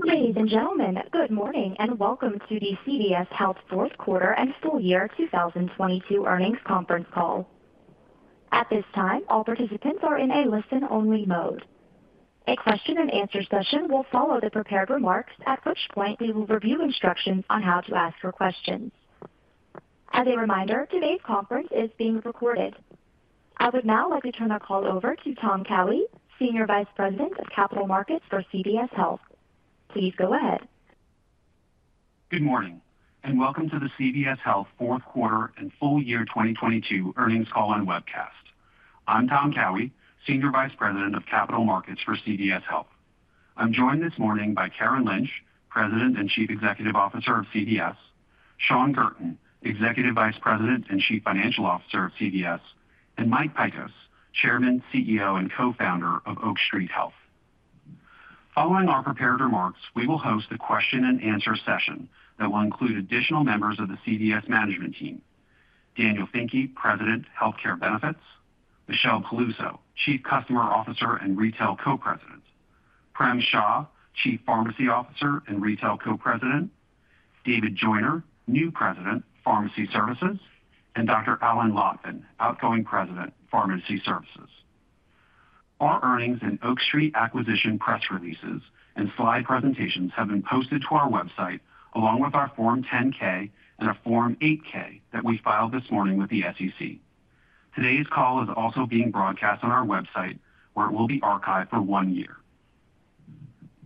Ladies and gentlemen, good morning. And welcome to the CVS Health Fourth Quarter and Full Year 2022 Earnings Conference Call. At this time, all participants are in a listen-only mode. A Q&A session will follow the prepared remarks, at which point we will review instructions on how to ask your questions. As a reminder, today's conference is being recorded. I would now like to turn the call over to Tom Cowhey, Senior Vice President of Capital Markets for CVS Health. Please go ahead. Good morning, and welcome to the CVS Health fourth quarter and full year 2022 earnings call and webcast. I'm Tom Cowhey, Senior Vice President of Capital Markets for CVS Health. I'm joined this morning by Karen Lynch, President and Chief Executive Officer of CVS Health, Shawn Guertin, Executive Vice President and Chief Financial Officer of CVS Health, and Mike Pykosz, Chairman, CEO, and Co-founder of Oak Street Health. Following our prepared remarks, we will host a question-and-answer session that will include additional members of the CVS Health management team. Daniel Finke, President, Healthcare Benefits, Michelle Peluso, Chief Customer Officer and Retail Co-president, Prem Shah, Chief Pharmacy Officer and Retail Co-president, David Joyner, new President, Pharmacy Services, and Dr. Alan Lotvin, outgoing President, Pharmacy Services. Our earnings and Oak Street acquisition press releases and slide presentations have been posted to our website, along with our Form 10-K and our Form 8-K that we filed this morning with the SEC. Today's call is also being broadcast on our website, where it will be archived for one year.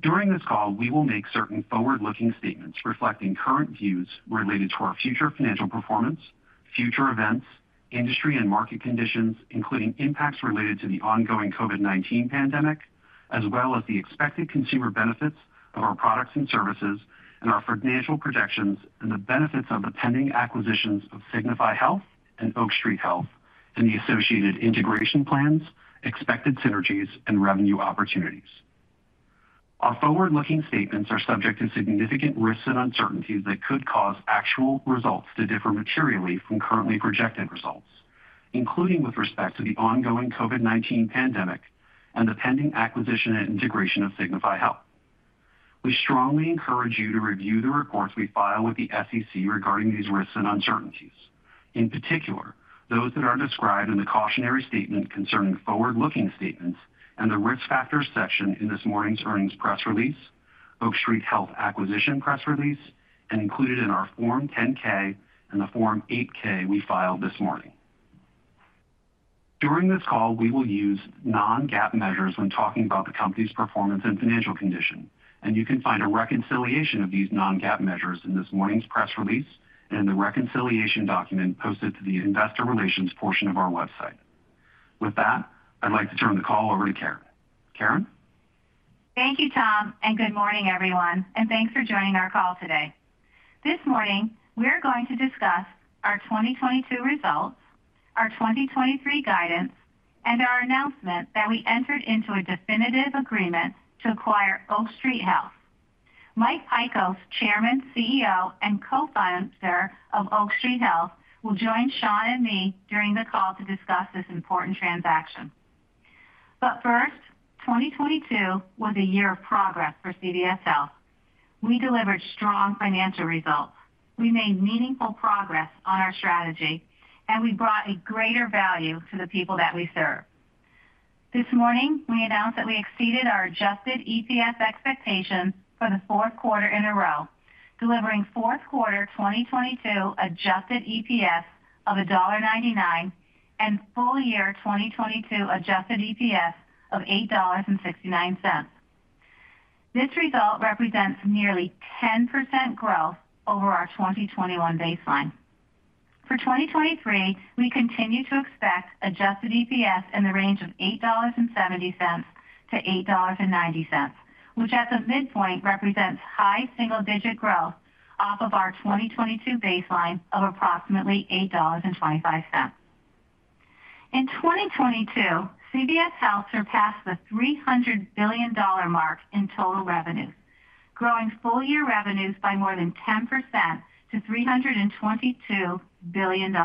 During this call, we will make certain forward-looking statements reflecting current views related to our future financial performance, future events, industry and market conditions, including impacts related to the ongoing COVID-19 pandemic, as well as the expected consumer benefits of our products and services and our financial projections and the benefits of the pending acquisitions of Signify Health and Oak Street Health, and the associated integration plans, expected synergies, and revenue opportunities. Our forward-looking statements are subject to significant risks and uncertainties that could cause actual results to differ materially from currently projected results, including with respect to the ongoing COVID-19 pandemic and the pending acquisition and integration of Signify Health. We strongly encourage you to review the reports we file with the SEC regarding these risks and uncertainties, in particular, those that are described in the cautionary statement concerning forward-looking statements and the Risk Factors section in this morning's earnings press release, Oak Street Health acquisition press release, and included in our Form 10-K and the Form 8-K we filed this morning. During this call, we will use non-GAAP measures when talking about the company's performance and financial condition, and you can find a reconciliation of these non-GAAP measures in this morning's press release and in the reconciliation document posted to the investor relations portion of our website. With that, I'd like to turn the call over to Karen. Karen? Thank you, Tom, good morning, everyone, and thanks for joining our call today. This morning, we're going to discuss our 2022 results, our 2023 guidance, and our announcement that we entered into a definitive agreement to acquire Oak Street Health. Mike Pykosz, Chairman, CEO, and Co-founder of Oak Street Health, will join Shawn and me during the call to discuss this important transaction. First, 2022 was a year of progress for CVS Health. We delivered strong financial results. We made meaningful progress on our strategy, and we brought a greater value to the people that we serve. This morning, we announced that we exceeded our adjusted EPS expectations for the fourth quarter in a row, delivering fourth quarter 2022 adjusted EPS of $1.99 and full year 2022 adjusted EPS of $8.69. This result represents nearly 10% growth over our 2021 baseline. For 2023, we continue to expect adjusted EPS in the range of $8.70-$8.90, which at the midpoint represents high single-digit growth off of our 2022 baseline of approximately $8.25. In 2022, CVS Health surpassed the $300 billion mark in total revenue, growing full-year revenues by more than 10% to $322 billion.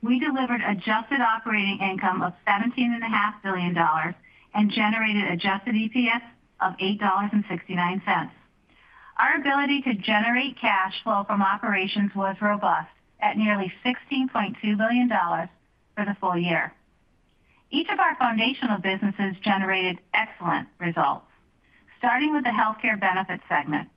We delivered adjusted operating income of seventeen and a half billion dollars and generated adjusted EPS of $8.69. Our ability to generate cash flow from operations was robust at nearly $16.2 billion for the full year. Each of our foundational businesses generated excellent results. Starting with the Healthcare Benefits segment,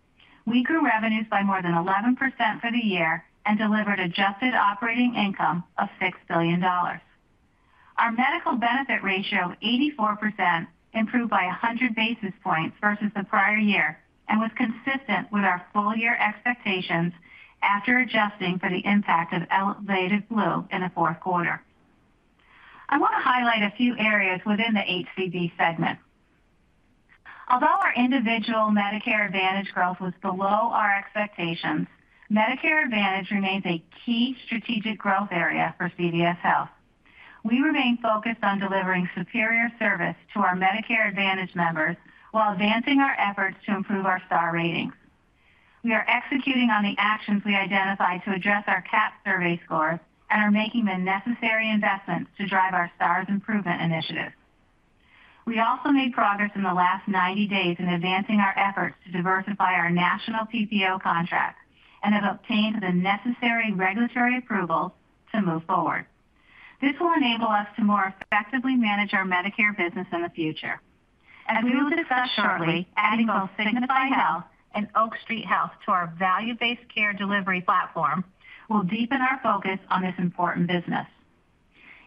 we grew revenues by more than 11% for the year and delivered adjusted operating income of $6 billion. Our medical benefit ratio of 84% improved by 100 basis points versus the prior year and was consistent with our full-year expectations after adjusting for the impact of elevated flu in the fourth quarter. I want to highlight a few areas within the HCB segment. Although our Individual Medicare Advantage growth was below our expectations, Medicare Advantage remains a key strategic growth area for CVS Health. We remain focused on delivering superior service to our Medicare Advantage members while advancing our efforts to improve our Star Ratings. We are executing on the actions we identified to address our CAHPS survey scores and are making the necessary investments to drive our Star Ratings improvement initiatives. We also made progress in the last 90 days in advancing our efforts to diversify our national PPO contract and have obtained the necessary regulatory approvals to move forward. This will enable us to more effectively manage our Medicare business in the future. As we will discuss shortly, adding both Signify Health and Oak Street Health to our value-based care delivery platform will deepen our focus on this important business.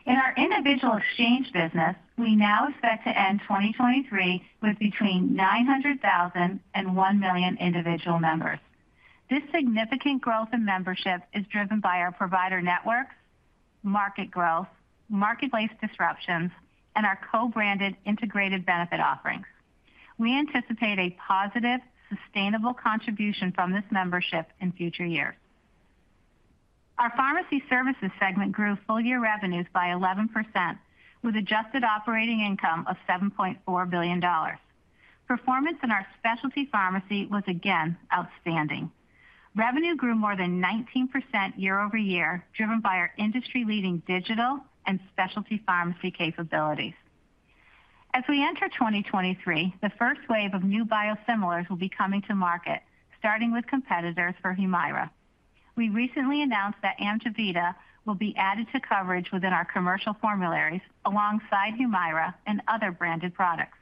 In our individual exchange business, we now expect to end 2023 with between 900,000 and one million individual members. This significant growth in membership is driven by our provider networks, market growth, marketplace disruptions, and our co-branded integrated benefit offerings. We anticipate a positive, sustainable contribution from this membership in future years. Our pharmacy services segment grew full-year revenues by 11%, with adjusted operating income of $7.4 billion. Performance in our specialty pharmacy was again outstanding. Revenue grew more than 19% year-over-year, driven by our industry-leading digital and specialty pharmacy capabilities. As we enter 2023, the first wave of new biosimilars will be coming to market, starting with competitors for Humira. We recently announced that Amjevita will be added to coverage within our commercial formularies alongside Humira and other branded products.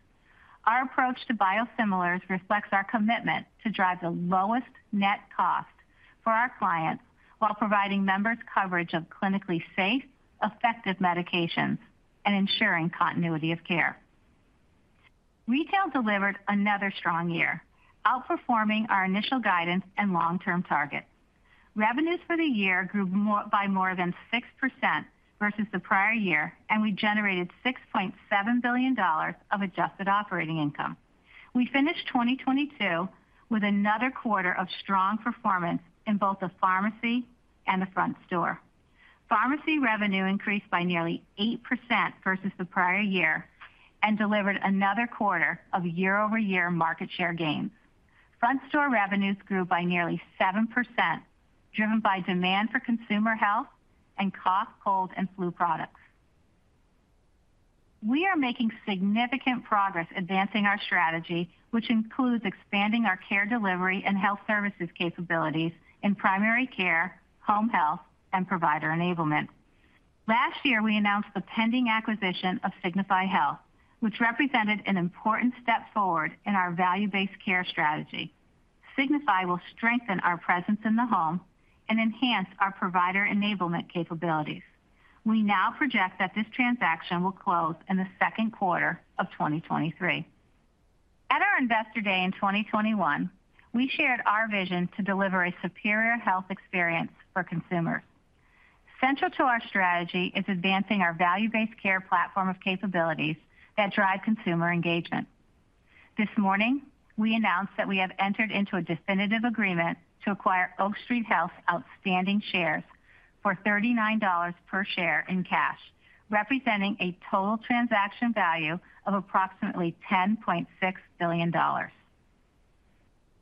Our approach to biosimilars reflects our commitment to drive the lowest net cost for our clients while providing members coverage of clinically safe, effective medications and ensuring continuity of care. Retail delivered another strong year, outperforming our initial guidance and long-term targets. Revenues for the year grew by more than 6% versus the prior year, and we generated $6.7 billion of adjusted operating income. We finished 2022 with another quarter of strong performance in both the pharmacy and the front store. Pharmacy revenue increased by nearly 8% versus the prior year and delivered another quarter of year-over-year market share gains. Front store revenues grew by nearly 7%, driven by demand for consumer health and cough, cold, and flu products. We are making significant progress advancing our strategy, which includes expanding our care delivery and health services capabilities in primary care, home health, and provider enablement. Last year, we announced the pending acquisition of Signify Health, which represented an important step forward in our value-based care strategy. Signify will strengthen our presence in the home and enhance our provider enablement capabilities. We now project that this transaction will close in the second quarter of 2023. At our Investor Day in 2021, we shared our vision to deliver a superior health experience for consumers. Central to our strategy is advancing our value-based care platform of capabilities that drive consumer engagement. This morning, we announced that we have entered into a definitive agreement to acquire Oak Street Health's outstanding shares for $39 per share in cash, representing a total transaction value of approximately $10.6 billion.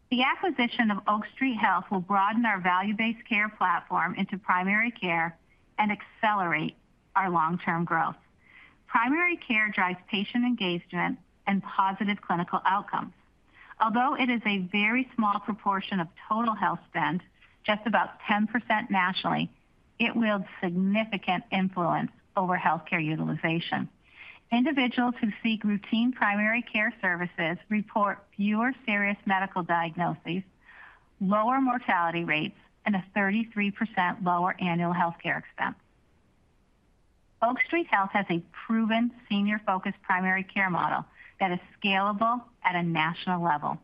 The acquisition of Oak Street Health will broaden our value-based care platform into primary care and accelerate our long-term growth. Primary care drives patient engagement and positive clinical outcomes. Although it is a very small proportion of total health spend, just about 10% nationally, it wields significant influence over healthcare utilization. Individuals who seek routine primary care services report fewer serious medical diagnoses, lower mortality rates, and a 33% lower annual healthcare expense. Oak Street Health has a proven senior-focused primary care model that is scalable at a national level.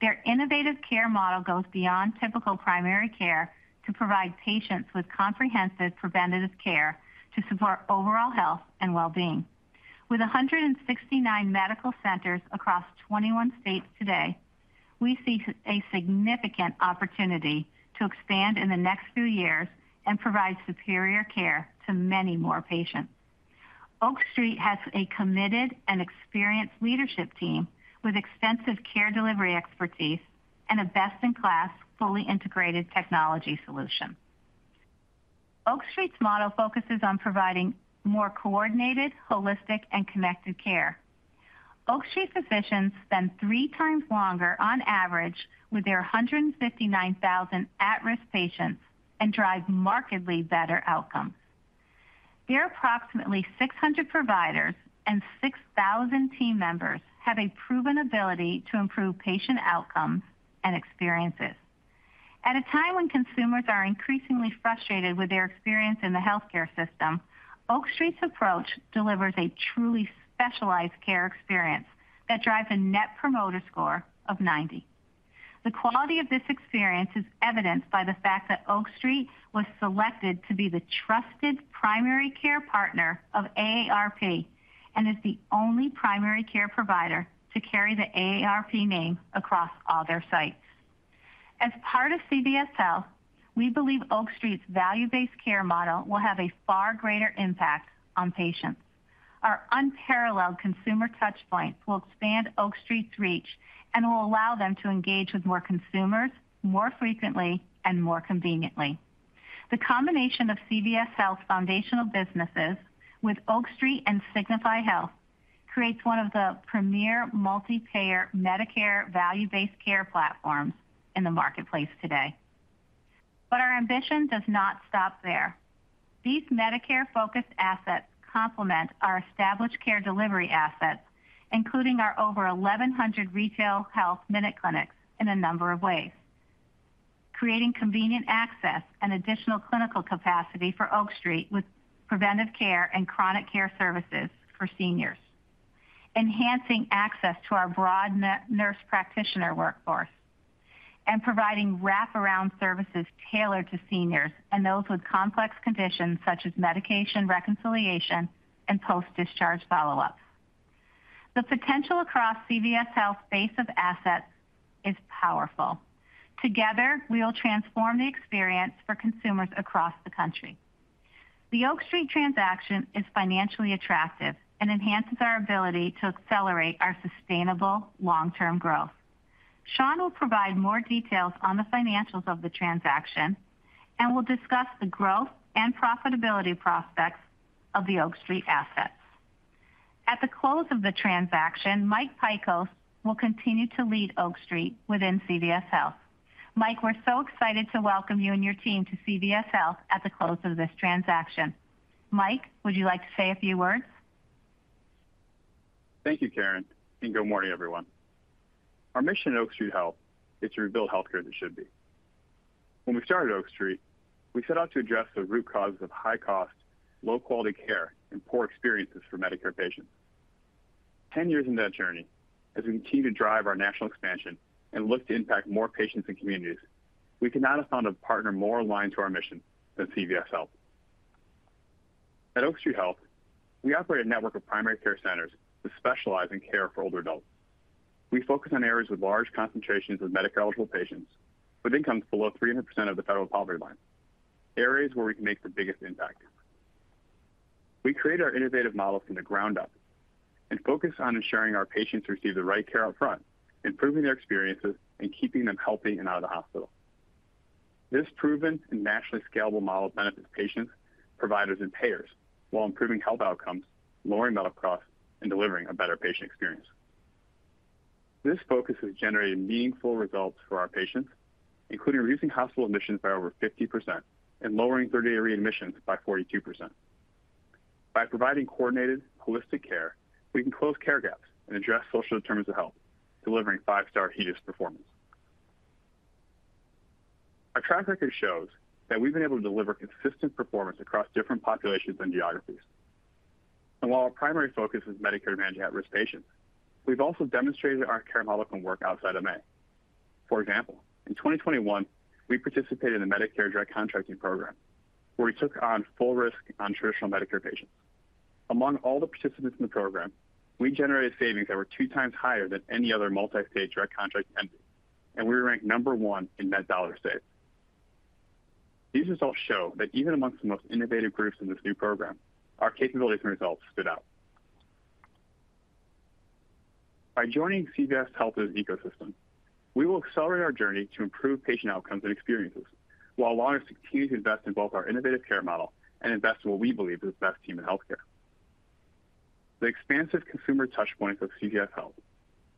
Their innovative care model goes beyond typical primary care to provide patients with comprehensive preventative care to support overall health and well-being. With 169 medical centers across 21 states today, we see a significant opportunity to expand in the next few years and provide superior care to many more patients. Oak Street has a committed and experienced leadership team with extensive care delivery expertise and a best-in-class, fully integrated technology solution. Oak Street's model focuses on providing more coordinated, holistic, and connected care. Oak Street physicians spend 3x longer on average with their 159,000 at-risk patients and drive markedly better outcomes. Their approximately 600 providers and 6,000 team members have a proven ability to improve patient outcomes and experiences. At a time when consumers are increasingly frustrated with their experience in the healthcare system, Oak Street's approach delivers a truly specialized care experience that drives a Net Promoter Score of 90. The quality of this experience is evidenced by the fact that Oak Street was selected to be the trusted primary care partner of AARP and is the only primary care provider to carry the AARP name across all their sites. As part of CVS Health, we believe Oak Street's value-based care model will have a far greater impact on patients. Our unparalleled consumer touch points will expand Oak Street's reach and will allow them to engage with more consumers more frequently and more conveniently. The combination of CVS Health's foundational businesses with Oak Street and Signify Health creates one of the premier multi-payer Medicare value-based care platforms in the marketplace today. Our ambition does not stop there. These Medicare-focused assets complement our established care delivery assets, including our over 1,100 retail health MinuteClinic in a number of ways, creating convenient access and additional clinical capacity for Oak Street with preventive care and chronic care services for seniors, enhancing access to our broad nurse practitioner workforce, and providing wraparound services tailored to seniors and those with complex conditions such as medication reconciliation and post-discharge follow-ups. The potential across CVS Health base of assets is powerful. Together, we will transform the experience for consumers across the country. The Oak Street transaction is financially attractive and enhances our ability to accelerate our sustainable long-term growth. Shawn will provide more details on the financials of the transaction and will discuss the growth and profitability prospects of the Oak Street assets. At the close of the transaction, Mike Pykosz will continue to lead Oak Street within CVS Health. Mike, we're so excited to welcome you and your team to CVS Health at the close of this transaction. Mike, would you like to say a few words? Thank you, Karen, and good morning, everyone. Our mission at Oak Street Health is to rebuild healthcare as it should be. When we started Oak Street, we set out to address the root causes of high cost, low quality care, and poor experiences for Medicare patients. 10 years into that journey, as we continue to drive our national expansion and look to impact more patients and communities, we could not have found a partner more aligned to our mission than CVS Health. At Oak Street Health, we operate a network of primary care centers that specialize in care for older adults. We focus on areas with large concentrations of Medicare-eligible patients with incomes below 300% of the federal poverty line, areas where we can make the biggest impact. We create our innovative models from the ground up and focus on ensuring our patients receive the right care up front, improving their experiences and keeping them healthy and out of the hospital. This proven and nationally scalable model benefits patients, providers, and payers while improving health outcomes, lowering medical costs, and delivering a better patient experience. This focus has generated meaningful results for our patients, including reducing hospital admissions by over 50% and lowering 30-day readmissions by 42%. By providing coordinated holistic care, we can close care gaps and address social determinants of health, delivering 5-star HEDIS performance. Our track record shows that we've been able to deliver consistent performance across different populations and geographies. While our primary focus is Medicare Advantage at-risk patients, we've also demonstrated that our care model can work outside of MA. For example, in 2021, we participated in the Medicare Direct Contracting Program, where we took on full risk on traditional Medicare patients. Among all the participants in the program, we generated savings that were 2x higher than any other multi-state Direct Contracting Entity, and we were ranked number one in net dollars saved. These results show that even amongst the most innovative groups in this new program, our capabilities and results stood out. By joining CVS Health's ecosystem, we will accelerate our journey to improve patient outcomes and experiences while allowing us to continue to invest in both our innovative care model and invest in what we believe is the best team in healthcare. The expansive consumer touch points of CVS Health,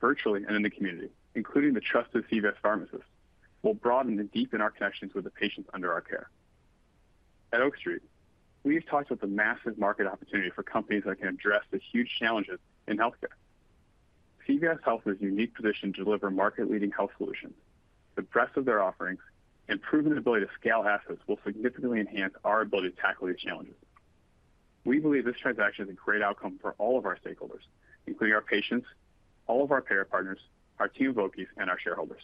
virtually and in the community, including the trusted CVS pharmacists, will broaden and deepen our connections with the patients under our care. At Oak Street, we have talked about the massive market opportunity for companies that can address the huge challenges in healthcare. CVS Health is in a unique position to deliver market-leading health solutions. The breadth of their offerings and proven ability to scale assets will significantly enhance our ability to tackle these challenges. We believe this transaction is a great outcome for all of our stakeholders, including our patients, all of our payer partners, our team of Oakies, and our shareholders.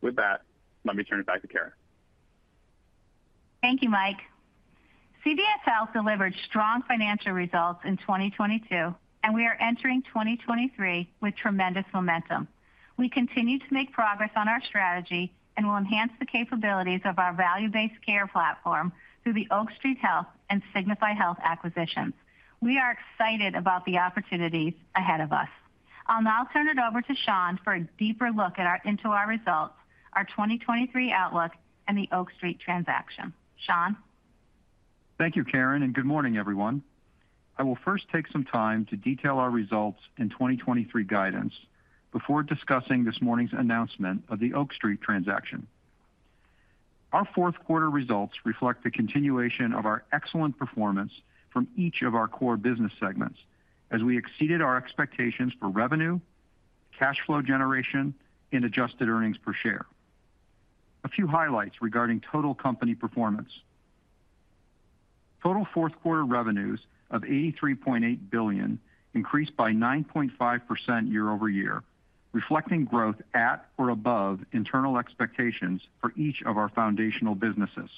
With that, let me turn it back to Karen. Thank you, Mike. CVS Health delivered strong financial results in 2022, and we are entering 2023 with tremendous momentum. We continue to make progress on our strategy and will enhance the capabilities of our value-based care platform through the Oak Street Health and Signify Health acquisitions. We are excited about the opportunities ahead of us. I'll now turn it over to Sean for a deeper look into our results, our 2023 outlook, and the Oak Street transaction. Shawn? Thank you, Karen. Good morning, everyone. I will first take some time to detail our results in 2023 guidance before discussing this morning's announcement of the Oak Street transaction. Our fourth quarter results reflect the continuation of our excellent performance from each of our core business segments as we exceeded our expectations for revenue, cash flow generation, and adjusted earnings per share. A few highlights regarding total company performance. Total fourth quarter revenues of $83.8 billion increased by 9.5% year-over-year, reflecting growth at or above internal expectations for each of our foundational businesses.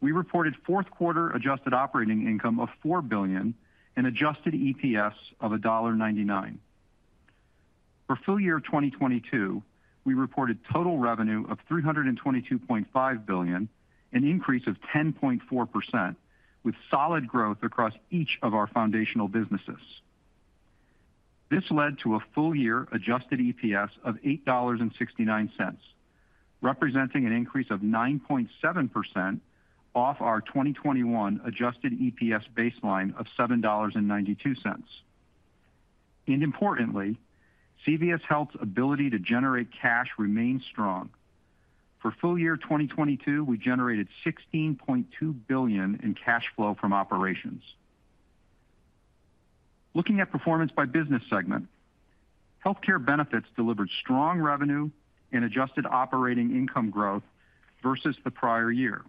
We reported fourth quarter adjusted operating income of $4 billion and adjusted EPS of $1.99. For full year 2022, we reported total revenue of $322.5 billion, an increase of 10.4%, with solid growth across each of our foundational businesses. This led to a full year adjusted EPS of $8.69, representing an increase of 9.7% off our 2021 adjusted EPS baseline of $7.92. Importantly, CVS Health's ability to generate cash remains strong. For full year 2022, we generated $16.2 billion in cash flow from operations. Looking at performance by business segment, Healthcare Benefits delivered strong revenue and adjusted operating income growth versus the prior year.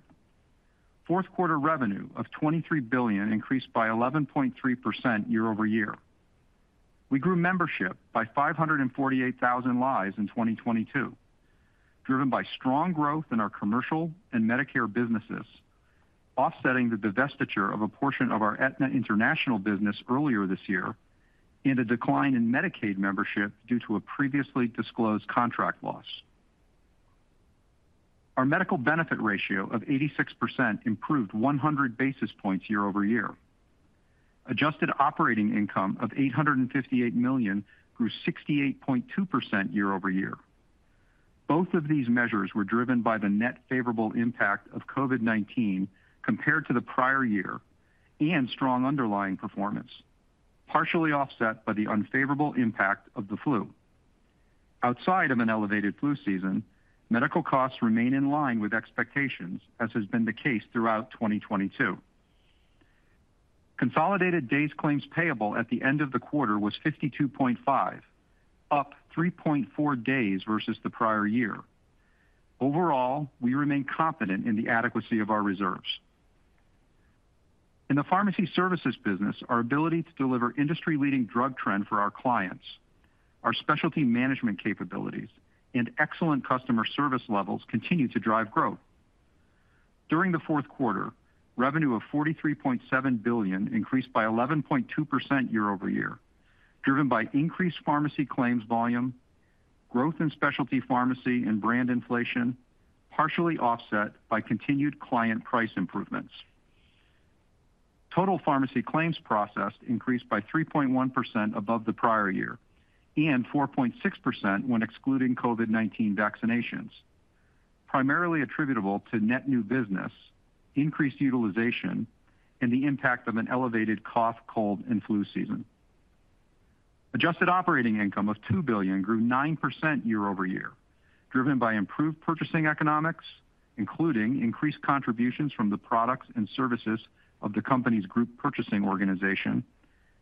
Fourth quarter revenue of $23 billion increased by 11.3% year-over-year. We grew membership by 548,000 lives in 2022, driven by strong growth in our commercial and Medicare businesses, offsetting the divestiture of a portion of our Aetna International business earlier this year and a decline in Medicaid membership due to a previously disclosed contract loss. Our medical benefit ratio of 86% improved 100 basis points year-over-year. Adjusted operating income of $858 million grew 68.2% year-over-year. Both of these measures were driven by the net favorable impact of COVID-19 compared to the prior year and strong underlying performance, partially offset by the unfavorable impact of the flu. Outside of an elevated flu season, medical costs remain in line with expectations, as has been the case throughout 2022. Consolidated days claims payable at the end of the quarter was 52.5, up 3.4 days versus the prior year. Overall, we remain confident in the adequacy of our reserves. In the pharmacy services business, our ability to deliver industry-leading drug trend for our clients, our specialty management capabilities, and excellent customer service levels continue to drive growth. During the fourth quarter, revenue of $43.7 billion increased by 11.2% year-over-year, driven by increased pharmacy claims volume, growth in specialty pharmacy and brand inflation, partially offset by continued client price improvements. Total pharmacy claims processed increased by 3.1% above the prior year and 4.6% when excluding COVID-19 vaccinations, primarily attributable to net new business, increased utilization, and the impact of an elevated cough, cold, and flu season. Adjusted operating income of $2 billion grew 9% year-over-year, driven by improved purchasing economics, including increased contributions from the products and services of the company's group purchasing organization,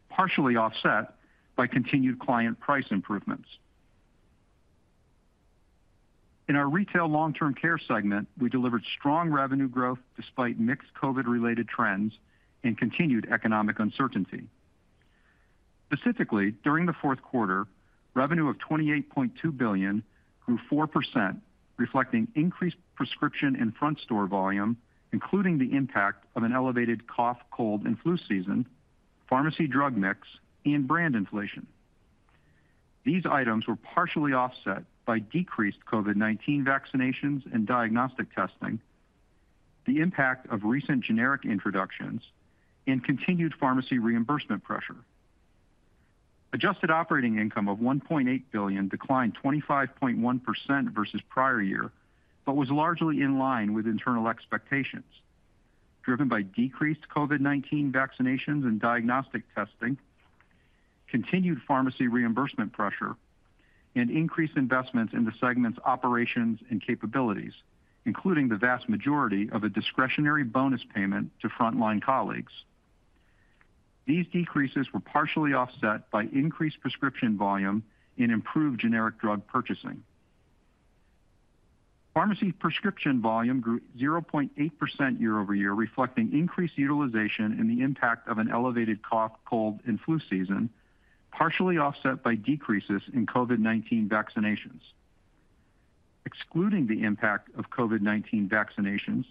partially offset by continued client price improvements. In our Retail Long-Term Care segment, we delivered strong revenue growth despite mixed COVID-related trends and continued economic uncertainty. Specifically, during the fourth quarter, revenue of $28.2 billion grew 4%, reflecting increased prescription and front store volume, including the impact of an elevated cough, cold, and flu season, pharmacy drug mix, and brand inflation. These items were partially offset by decreased COVID-19 vaccinations and diagnostic testing, the impact of recent generic introductions, and continued pharmacy reimbursement pressure. Adjusted operating income of $1.8 billion declined 25.1% versus prior year, but was largely in line with internal expectations, driven by decreased COVID-19 vaccinations and diagnostic testing, continued pharmacy reimbursement pressure, and increased investments in the segment's operations and capabilities, including the vast majority of a discretionary bonus payment to frontline colleagues. These decreases were partially offset by increased prescription volume and improved generic drug purchasing. Pharmacy prescription volume grew 0.8% year-over-year, reflecting increased utilization in the impact of an elevated cough, cold, and flu season, partially offset by decreases in COVID-19 vaccinations. Excluding the impact of COVID-19 vaccinations,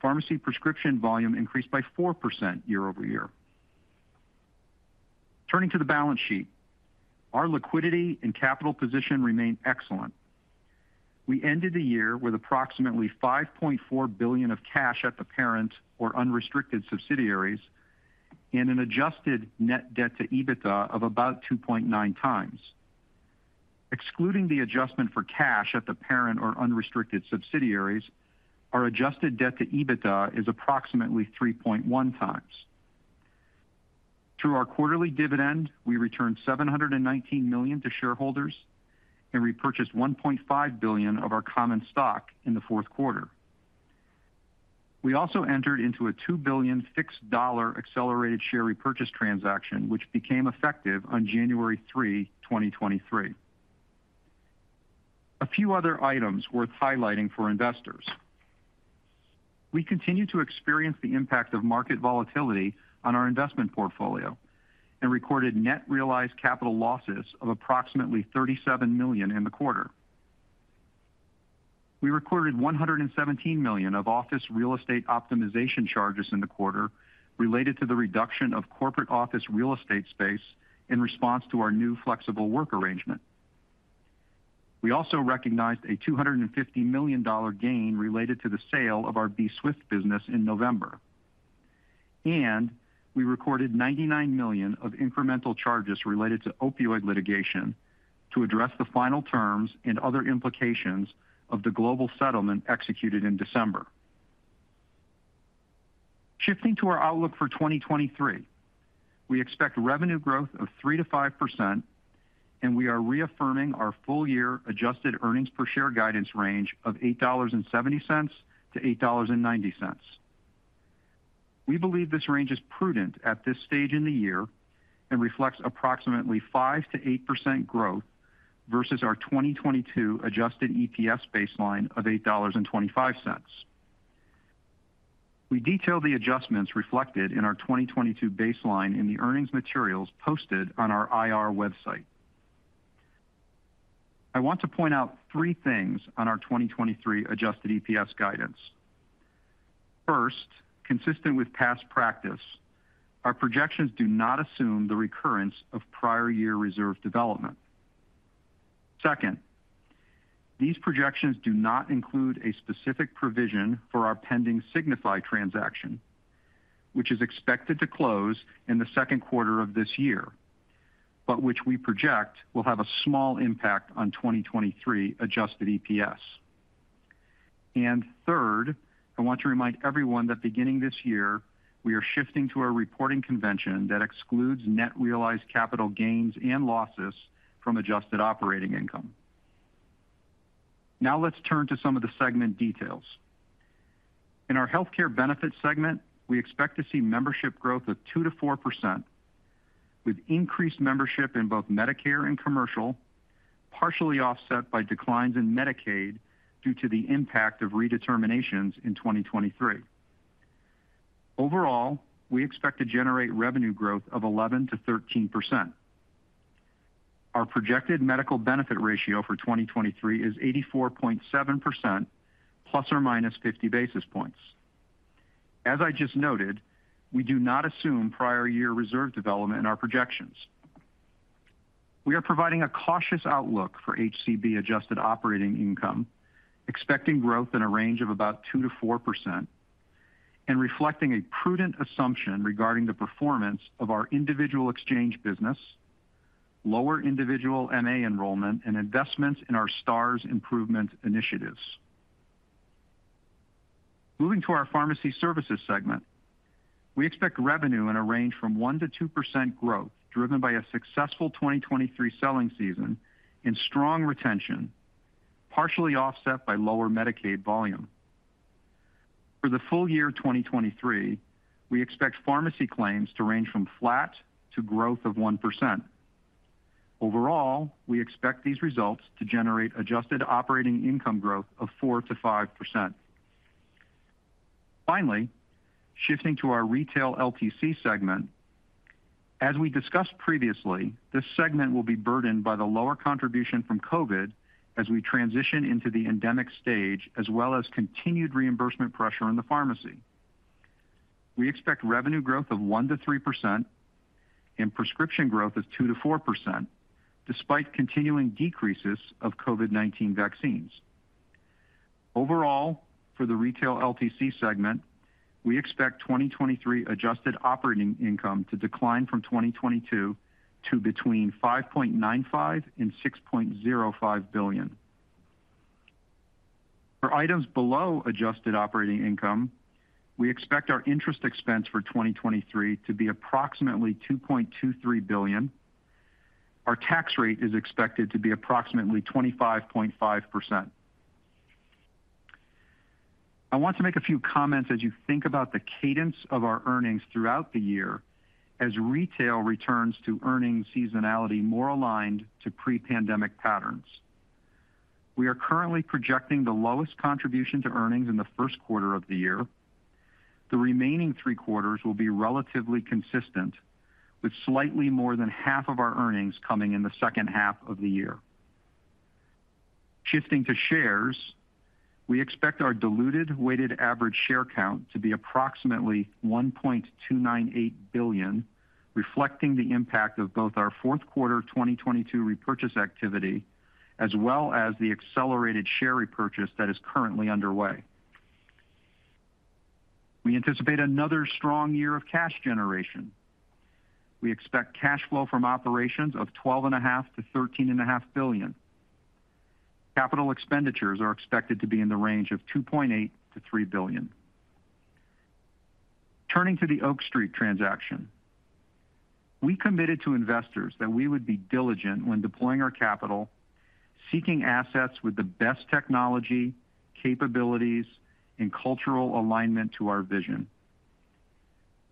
pharmacy prescription volume increased by 4% year-over-year. Turning to the balance sheet, our liquidity and capital position remain excellent. We ended the year with approximately $5.4 billion of cash at the parent or unrestricted subsidiaries and an Adjusted Net Debt to Adjusted EBITDA of about 2.9x. Excluding the adjustment for cash at the parent or unrestricted subsidiaries, our adjusted debt to EBITDA is approximately 3.1x. Through our quarterly dividend, we returned $719 million to shareholders and repurchased $1.5 billion of our common stock in the fourth quarter. We also entered into a $2 billion fixed dollar accelerated share repurchase transaction, which became effective on January 3, 2023. A few other items worth highlighting for investors. We continue to experience the impact of market volatility on our investment portfolio and recorded net realized capital losses of approximately $37 million in the quarter. We recorded $117 million of office real estate optimization charges in the quarter related to the reduction of corporate office real estate space in response to our new flexible work arrangement. We also recognized a $250 million gain related to the sale of our bswift business in November. We recorded $99 million of incremental charges related to opioid litigation to address the final terms and other implications of the global settlement executed in December. Shifting to our outlook for 2023. We expect revenue growth of 3%-5%, and we are reaffirming our full-year adjusted earnings per share guidance range of $8.70-$8.90. We believe this range is prudent at this stage in the year and reflects approximately 5%-8% growth versus our 2022 adjusted EPS baseline of $8.25. We detail the adjustments reflected in our 2022 baseline in the earnings materials posted on our IR website. I want to point out three things on our 2023 adjusted EPS guidance. First, consistent with past practice, our projections do not assume the recurrence of prior year reserve development. These projections do not include a specific provision for our pending Signify transaction, which is expected to close in the second quarter of this year, but which we project will have a small impact on 2023 adjusted EPS. Third, I want to remind everyone that beginning this year, we are shifting to a reporting convention that excludes net realized capital gains and losses from adjusted operating income. Let's turn to some of the segment details. In our healthcare benefit segment, we expect to see membership growth of 2% tp 4%, with increased membership in both Medicare and commercial, partially offset by declines in Medicaid due to the impact of redeterminations in 2023. We expect to generate revenue growth of 11% to 13%. Our projected medical benefit ratio for 2023 is 84.7% ±50 basis points. As I just noted, we do not assume prior year reserve development in our projections. We are providing a cautious outlook for HCB adjusted operating income, expecting growth in a range of about 2% to 4% and reflecting a prudent assumption regarding the performance of our individual exchange business, lower individual MA enrollment, and investments in our Stars improvement initiatives. Moving to our pharmacy services segment. We expect revenue in a range from 1% to 2% growth, driven by a successful 2023 selling season and strong retention, partially offset by lower Medicaid volume. For the full year 2023, we expect pharmacy claims to range from flat to growth of 1%. Overall, we expect these results to generate adjusted operating income growth of 4% to to5%. Finally, shifting to our Retail LTC segment. As we discussed previously, this segment will be burdened by the lower contribution from COVID as we transition into the endemic stage, as well as continued reimbursement pressure on the pharmacy. We expect revenue growth of 1% to 3% and prescription growth of 2% to 4% despite continuing decreases of COVID-19 vaccines. Overall, for the Retail/LTC segment, we expect 2023 adjusted operating income to decline from 2022 to between $5.95 billion and $6.05 billion. For items below adjusted operating income, we expect our interest expense for 2023 to be approximately $2.23 billion. Our tax rate is expected to be approximately 25.5%. I want to make a few comments as you think about the cadence of our earnings throughout the year as retail returns to earnings seasonality more aligned to pre-pandemic patterns. We are currently projecting the lowest contribution to earnings in the first quarter of the year. The remaining three quarters will be relatively consistent, with slightly more than half of our earnings coming in the second half of the year. Shifting to shares, we expect our diluted weighted average share count to be approximately $1.298 billion, reflecting the impact of both our fourth quarter 2022 repurchase activity as well as the accelerated share repurchase that is currently underway. We anticipate another strong year of cash generation. We expect cash flow from operations of twelve and a half to thirteen and a half billion. Capital expenditures are expected to be in the range of $2.8 billion to $3 billion. Turning to the Oak Street transaction. We committed to investors that we would be diligent when deploying our capital, seeking assets with the best technology, capabilities, and cultural alignment to our vision.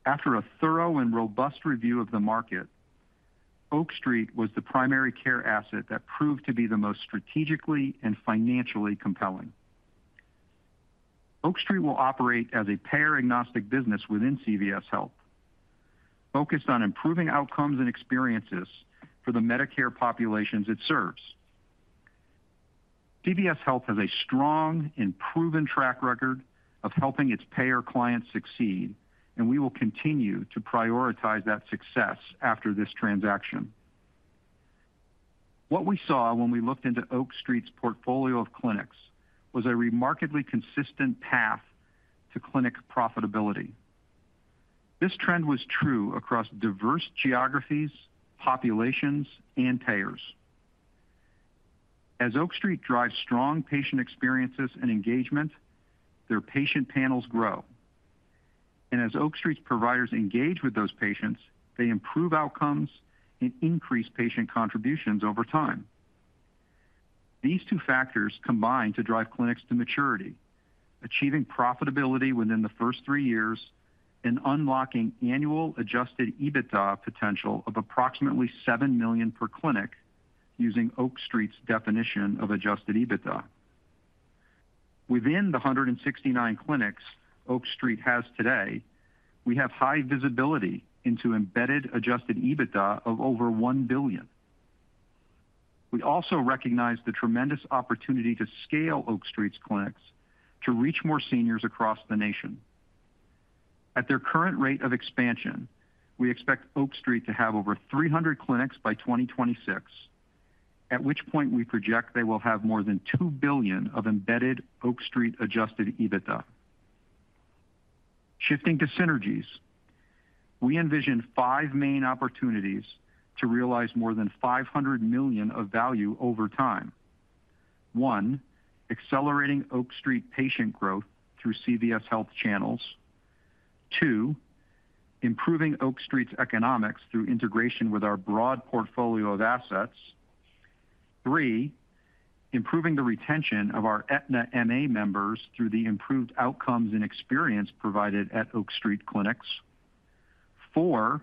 After a thorough and robust review of the market, Oak Street was the primary care asset that proved to be the most strategically and financially compelling. Oak Street will operate as a payer-agnostic business within CVS Health, focused on improving outcomes and experiences for the Medicare populations it serves. CVS Health has a strong and proven track record of helping its payer clients succeed, and we will continue to prioritize that success after this transaction. What we saw when we looked into Oak Street's portfolio of clinics was a remarkably consistent path to clinic profitability. This trend was true across diverse geographies, populations, and payers. As Oak Street drives strong patient experiences and engagement, their patient panels grow. As Oak Street's providers engage with those patients, they improve outcomes and increase patient contributions over time. These two factors combine to drive clinics to maturity, achieving profitability within the first three years and unlocking annual adjusted EBITDA potential of approximately $7 million per clinic using Oak Street's definition of adjusted EBITDA. Within the 169 clinics Oak Street has today, we have high visibility into embedded adjusted EBITDA of over $1 billion. We also recognize the tremendous opportunity to scale Oak Street's clinics to reach more seniors across the nation. At their current rate of expansion, we expect Oak Street to have over 300 clinics by 2026, at which point we project they will have more than $2 billion of embedded Oak Street adjusted EBITDA. Shifting to synergies, we envision five main opportunities to realize more than $500 million of value over time. One, accelerating Oak Street patient growth through CVS Health channels. Two, improving Oak Street's economics through integration with our broad portfolio of assets. Three, improving the retention of our Aetna MA members through the improved outcomes and experience provided at Oak Street clinics. Four,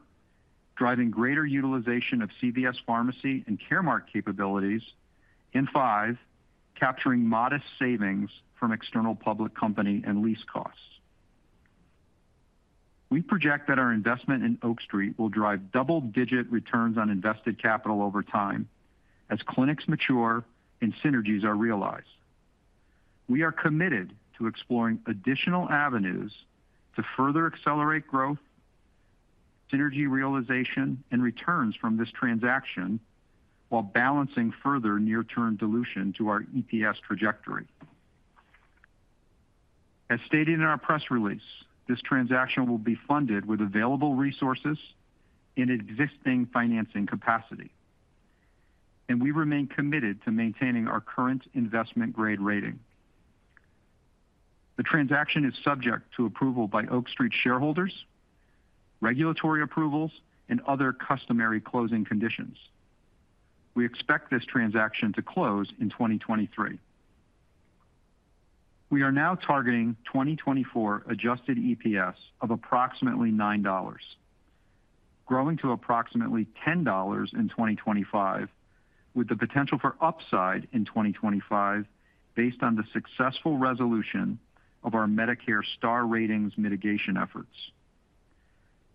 driving greater utilization of CVS Pharmacy and Caremark capabilities. Five, capturing modest savings from external public company and lease costs. We project that our investment in Oak Street will drive double-digit returns on invested capital over time as clinics mature and synergies are realized. We are committed to exploring additional avenues to further accelerate growth, synergy realization, and returns from this transaction while balancing further near-term dilution to our EPS trajectory. As stated in our press release, this transaction will be funded with available resources and existing financing capacity, and we remain committed to maintaining our current investment-grade rating. The transaction is subject to approval by Oak Street shareholders, regulatory approvals, and other customary closing conditions. We expect this transaction to close in 2023. We are now targeting 2024 adjusted EPS of approximately $9, growing to approximately $10 in 2025, with the potential for upside in 2025 based on the successful resolution of our Medicare Star Ratings mitigation efforts.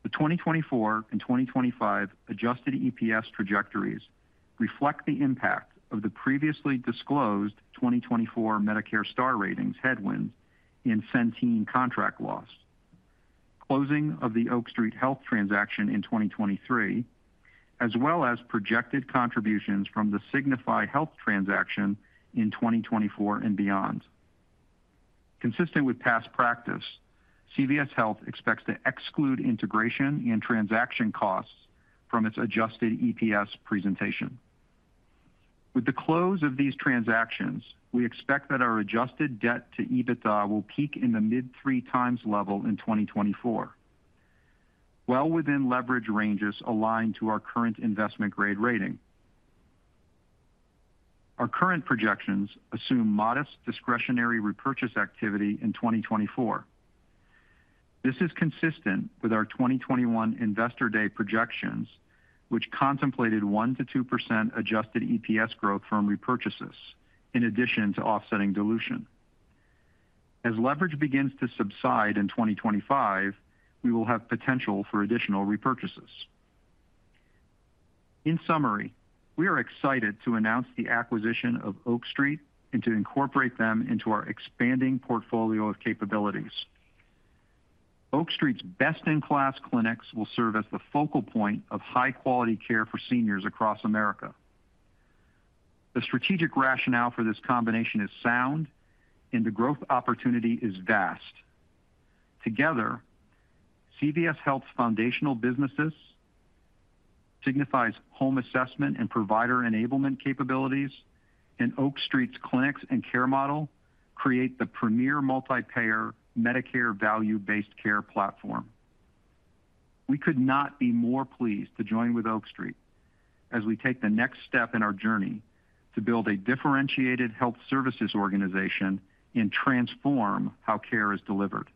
The 2024 and 2025 adjusted EPS trajectories reflect the impact of the previously disclosed 2024 Medicare Star Ratings headwinds in Centene contract loss, closing of the Oak Street Health transaction in 2023, as well as projected contributions from the Signify Health transaction in 2024 and beyond. Consistent with past practice, CVS Health expects to exclude integration and transaction costs from its adjusted EPS presentation. With the close of these transactions, we expect that our adjusted debt to EBITDA will peak in the mid 3x level in 2024, well within leverage ranges aligned to our current investment-grade rating. Our current projections assume modest discretionary repurchase activity in 2024. This is consistent with our 2021 Investor Day projections, which contemplated 1% to 2% adjusted EPS growth from repurchases in addition to offsetting dilution. As leverage begins to subside in 2025, we will have potential for additional repurchases. In summary, we are excited to announce the acquisition of Oak Street and to incorporate them into our expanding portfolio of capabilities. Oak Street's best-in-class clinics will serve as the focal point of high-quality care for seniors across America. The strategic rationale for this combination is sound, and the growth opportunity is vast. Together, CVS Health's foundational businesses, Signify's home assessment and provider enablement capabilities, and Oak Street's clinics and care model create the premier multi-payer Medicare value-based care platform. We could not be more pleased to join with Oak Street as we take the next step in our journey to build a differentiated health services organization and transform how care is delivered.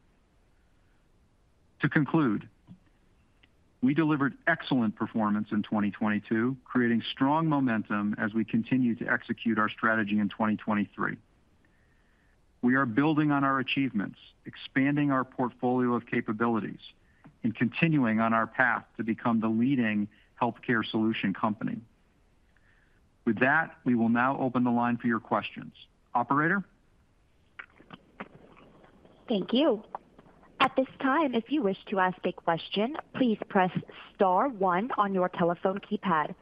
To conclude, we delivered excellent performance in 2022, creating strong momentum as we continue to execute our strategy in 2023. We are building on our achievements, expanding our portfolio of capabilities, and continuing on our path to become the leading healthcare solution company. With that, we will now open the line for your questions. Operator? Thank you. At this time, if you wish to ask a question, please press star one on your telephone keypad.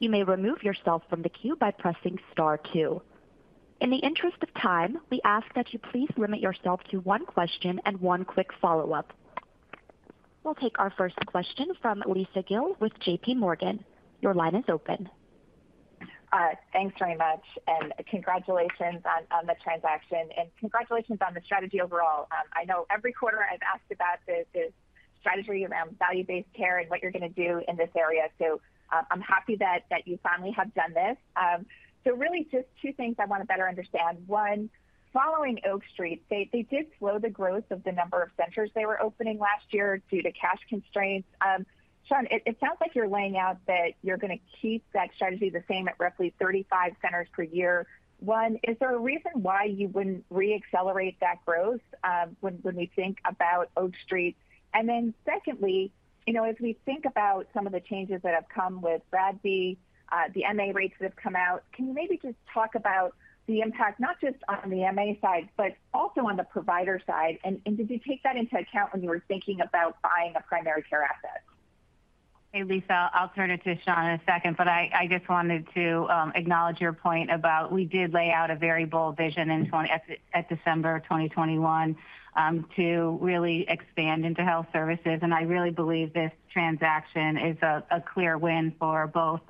You may remove yourself from the queue by pressing star two. In the interest of time, we ask that you please limit yourself to one question and one quick follow-up. We'll take our first question from Lisa Gill with J.P. Morgan. Your line is open. Thanks very much, and congratulations on the transaction, and congratulations on the strategy overall. I know every quarter I've asked about the strategy around value-based care and what you're gonna do in this area, so I'm happy that you finally have done this. Really just two things I wanna better understand. One, following Oak Street, they did slow the growth of the number of centers they were opening last year due to cash constraints. Shawn, it sounds like you're laying out that you're gonna keep that strategy the same at roughly 35 centers per year. One, is there a reason why you wouldn't re-accelerate that growth when we think about Oak Street? Secondly, you know, as we think about some of the changes that have come with RADV, the MA rates that have come out, can you maybe just talk about the impact, not just on the MA side, but also on the provider side? Did you take that into account when you were thinking about buying a primary care asset? Hey, Lisa. I'll turn it to Shawn in a second, but I just wanted to acknowledge your point about we did lay out a very bold vision in December 2021 to really expand into health services, and I really believe this transaction is a clear win for both,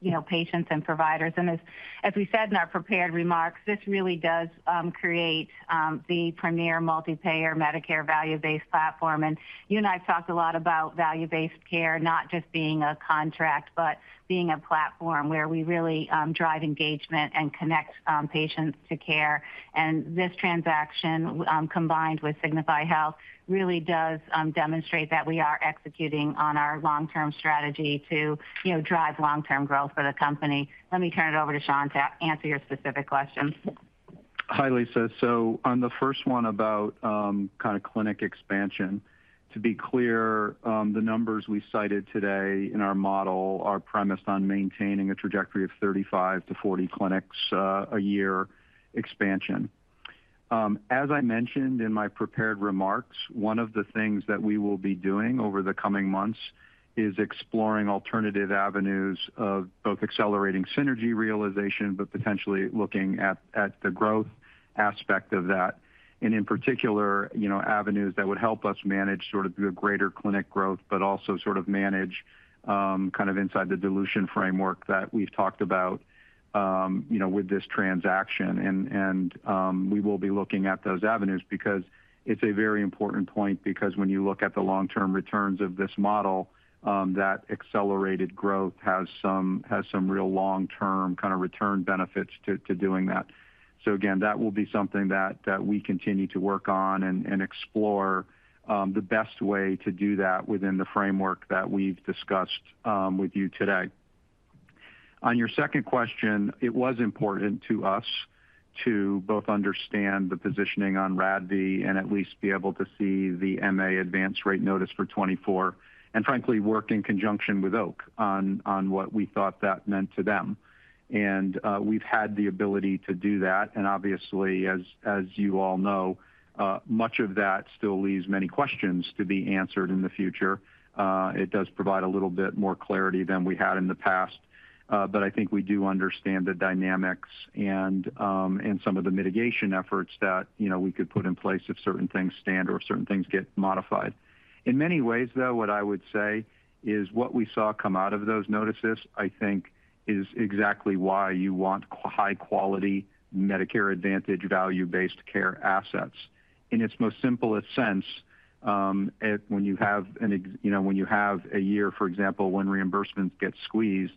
you know, patients and providers. As we said in our prepared remarks, this really does create the premier multi-payer Medicare value-based platform. You and I have talked a lot about value-based care, not just being a contract, but being a platform where we really drive engagement and connect patients to care. This transaction, combined with Signify Health really does demonstrate that we are executing on our long-term strategy to, you know, drive long-term growth for the company. Let me turn it over to Shawn to answer your specific questions. Hi, Lisa. On the first one about, kind of clinic expansion, to be clear, the numbers we cited today in our model are premised on maintaining a trajectory of 35-40 clinics a year expansion. As I mentioned in my prepared remarks, one of the things that we will be doing over the coming months is exploring alternative avenues of both accelerating synergy realization, but potentially looking at the growth aspect of that. In particular, you know, avenues that would help us manage sort of the greater clinic growth, but also sort of manage kind of inside the dilution framework that we've talked about, you know, with this transaction. We will be looking at those avenues because it's a very important point because when you look at the long-term returns of this model, that accelerated growth has some real long-term kinda return benefits to doing that. Again, that will be something that we continue to work on and explore the best way to do that within the framework that we've discussed with you today. Your second question, it was important to us to both understand the positioning on RADV and at least be able to see the MA Advance Rate Notice for 24, and frankly, work in conjunction with Oak on what we thought that meant to them. We've had the ability to do that, and obviously as you all know, much of that still leaves many questions to be answered in the future. It does provide a little bit more clarity than we had in the past, but I think we do understand the dynamics and some of the mitigation efforts that, you know, we could put in place if certain things stand or if certain things get modified. In many ways, though, what I would say is what we saw come out of those notices, I think, is exactly why you want high-quality Medicare Advantage value-based care assets. In its most simplest sense, when you have a year, for example, when reimbursements get squeezed,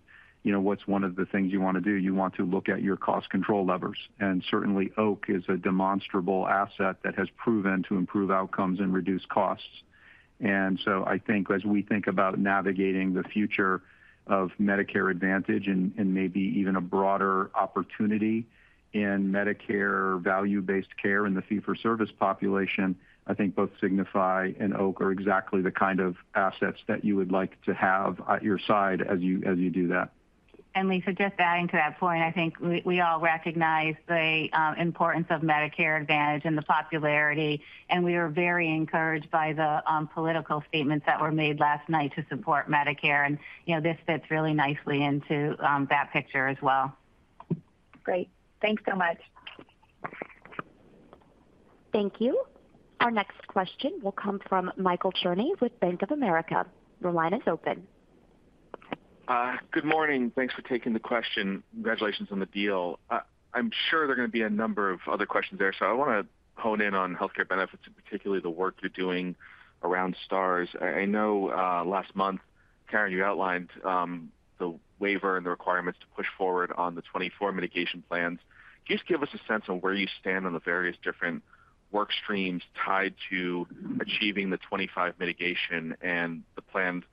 you know, what's one of the things you wanna do? You want to look at your cost control levers. Certainly Oak is a demonstrable asset that has proven to improve outcomes and reduce costs. I think as we think about navigating the future of Medicare Advantage and maybe even a broader opportunity in Medicare value-based care in the fee-for-service population, I think both Signify and Oak are exactly the kind of assets that you would like to have at your side as you do that. Lisa, just adding to that point, I think we all recognize the importance of Medicare Advantage and the popularity, and we are very encouraged by the political statements that were made last night to support Medicare. You know, this fits really nicely into that picture as well. Great. Thanks so much. Thank you. Our next question will come from Michael Cherny with Bank of America. Your line is open. Good morning. Thanks for taking the question. Congratulations on the deal. I'm sure there are gonna be a number of other questions there, I wanna hone in on Healthcare Benefits, and particularly the work you're doing around Stars. I know last monthKaren, you outlined, the waiver and the requirements to push forward on the 2024 mitigation plans. Can you just give us a sense on where you stand on the various different work streams tied to achieving the 2025 mitigation and the planned,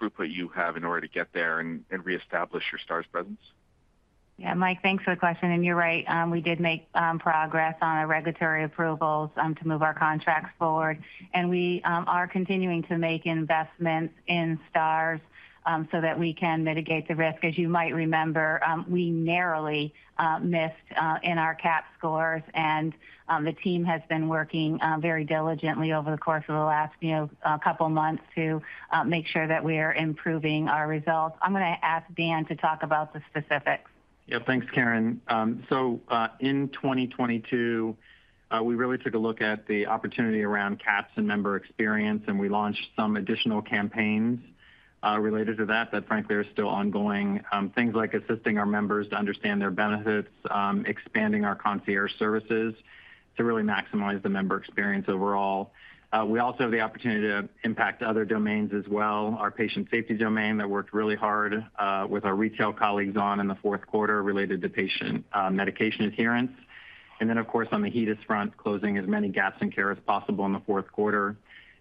throughput you have in order to get there and reestablish your Stars presence? Yeah, Mike, thanks for the question. You're right. We did make progress on our regulatory approvals to move our contracts forward. We are continuing to make investments in Stars so that we can mitigate the risk. As you might remember, we narrowly missed in our CAHPS scores, and the team has been working very diligently over the course of the last, you know, couple of months to make sure that we are improving our results. I'm gonna ask Dan to talk about the specifics. Yeah. Thanks, Karen. In 2022, we really took a look at the opportunity around CAHPS and member experience, and we launched some additional campaigns related to that frankly are still ongoing, things like assisting our members to understand their benefits, expanding our concierge services to really maximize the member experience overall. We also have the opportunity to impact other domains as well. Our patient safety domain that worked really hard with our retail colleagues on in the fourth quarter related to patient medication adherence. Of course, on the HEDIS front, closing as many gaps in care as possible in the fourth quarter,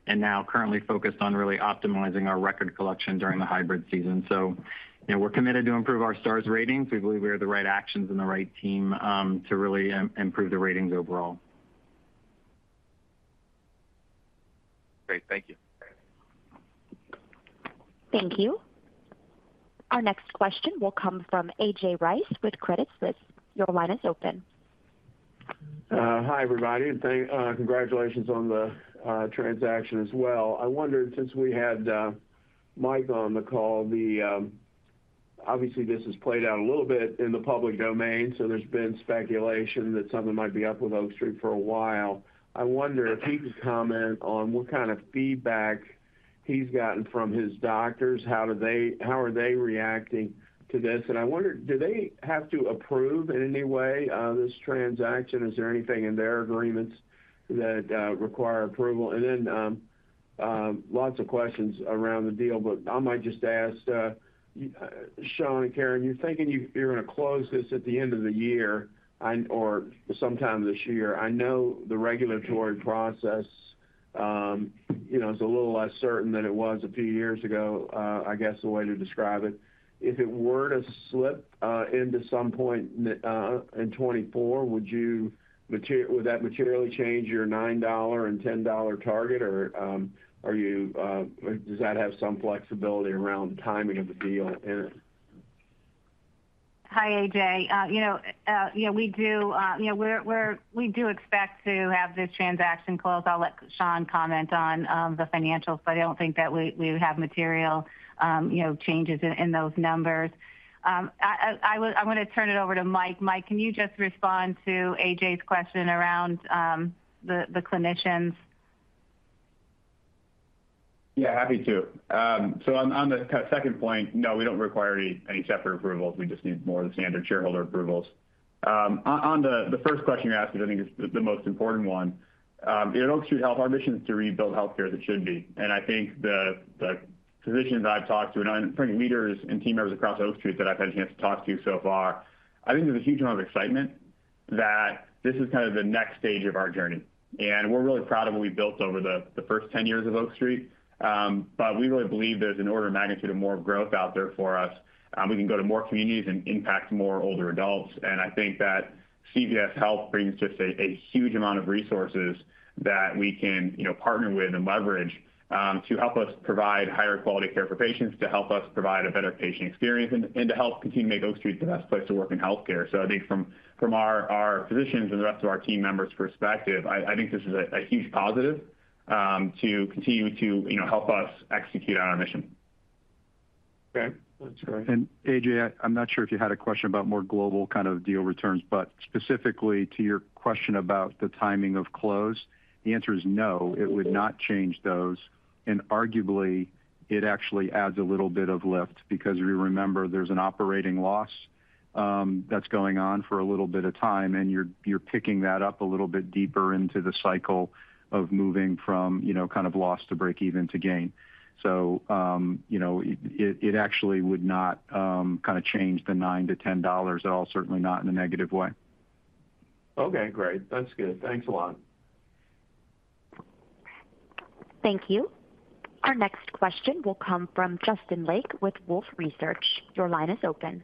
and now currently focused on really optimizing our record collection during the hybrid season. You know, we're committed to improve our Star Ratings. We believe we have the right actions and the right team, to really improve the ratings overall. Great. Thank you. Thank you. Our next question will come from A.J. Rice with Credit Suisse. Your line is open. Hi, everybody. Thank, congratulations on the transaction as well. I wondered since we had Mike on the call, the obviously this has played out a little bit in the public domain, so there's been speculation that something might be up with Oak Street for a while. I wonder if he could comment on what kind of feedback he's gotten from his doctors. How are they reacting to this? I wonder, do they have to approve in any way, this transaction? Is there anything in their agreements that require approval? Then, lots of questions around the deal, but I might just ask Shawn and Karen, you're thinking you're gonna close this at the end of the year and or sometime this year. I know the regulatory process, you know, is a little less certain than it was a few years ago, I guess the way to describe it. If it were to slip into some point in 2024, would that materially change your $9 and $10 target, or are you, does that have some flexibility around the timing of the deal in it? Hi, A.J. you know, yeah, we do, you know, we do expect to have this transaction closed. I'll let Shawn comment on the financials, but I don't think that we would have material, you know, changes in those numbers. I'm gonna turn it over to Mike. Mike, can you just respond to A.J.'s question around the clinicians? Yeah, happy to. So on the second point, no, we don't require any separate approvals. We just need more of the standard shareholder approvals. On the first question you asked, which I think is the most important one, you know, at Oak Street Health, our mission is to rebuild healthcare as it should be. I think the physicians I've talked to, and frankly, leaders and team members across Oak Street that I've had a chance to talk to so far, I think there's a huge amount of excitement that this is kind of the next stage of our journey. We're really proud of what we've built over the first 10 years of Oak Street. But we really believe there's an order of magnitude of more growth out there for us. We can go to more communities and impact more older adults. I think that CVS Health brings just a huge amount of resources that we can, you know, partner with and leverage to help us provide higher quality care for patients, to help us provide a better patient experience, and to help continue to make Oak Street the best place to work in healthcare. I think from our physicians and the rest of our team members' perspective, I think this is a huge positive to continue to, you know, help us execute on our mission. Okay. That's great. A.J., I'm not sure if you had a question about more global kind of deal returns, but specifically to your question about the timing of close, the answer is no, it would not change those. Arguably, it actually adds a little bit of lift because if you remember, there's an operating loss that's going on for a little bit of time, and you're picking that up a little bit deeper into the cycle of moving from, you know, kind of loss to breakeven to gain. You know, it, it actually would not kind of change the $9-$10 at all, certainly not in a negative way. Okay, great. That's good. Thanks a lot. Thank you. Our next question will come from Justin Lake with Wolfe Research. Your line is open.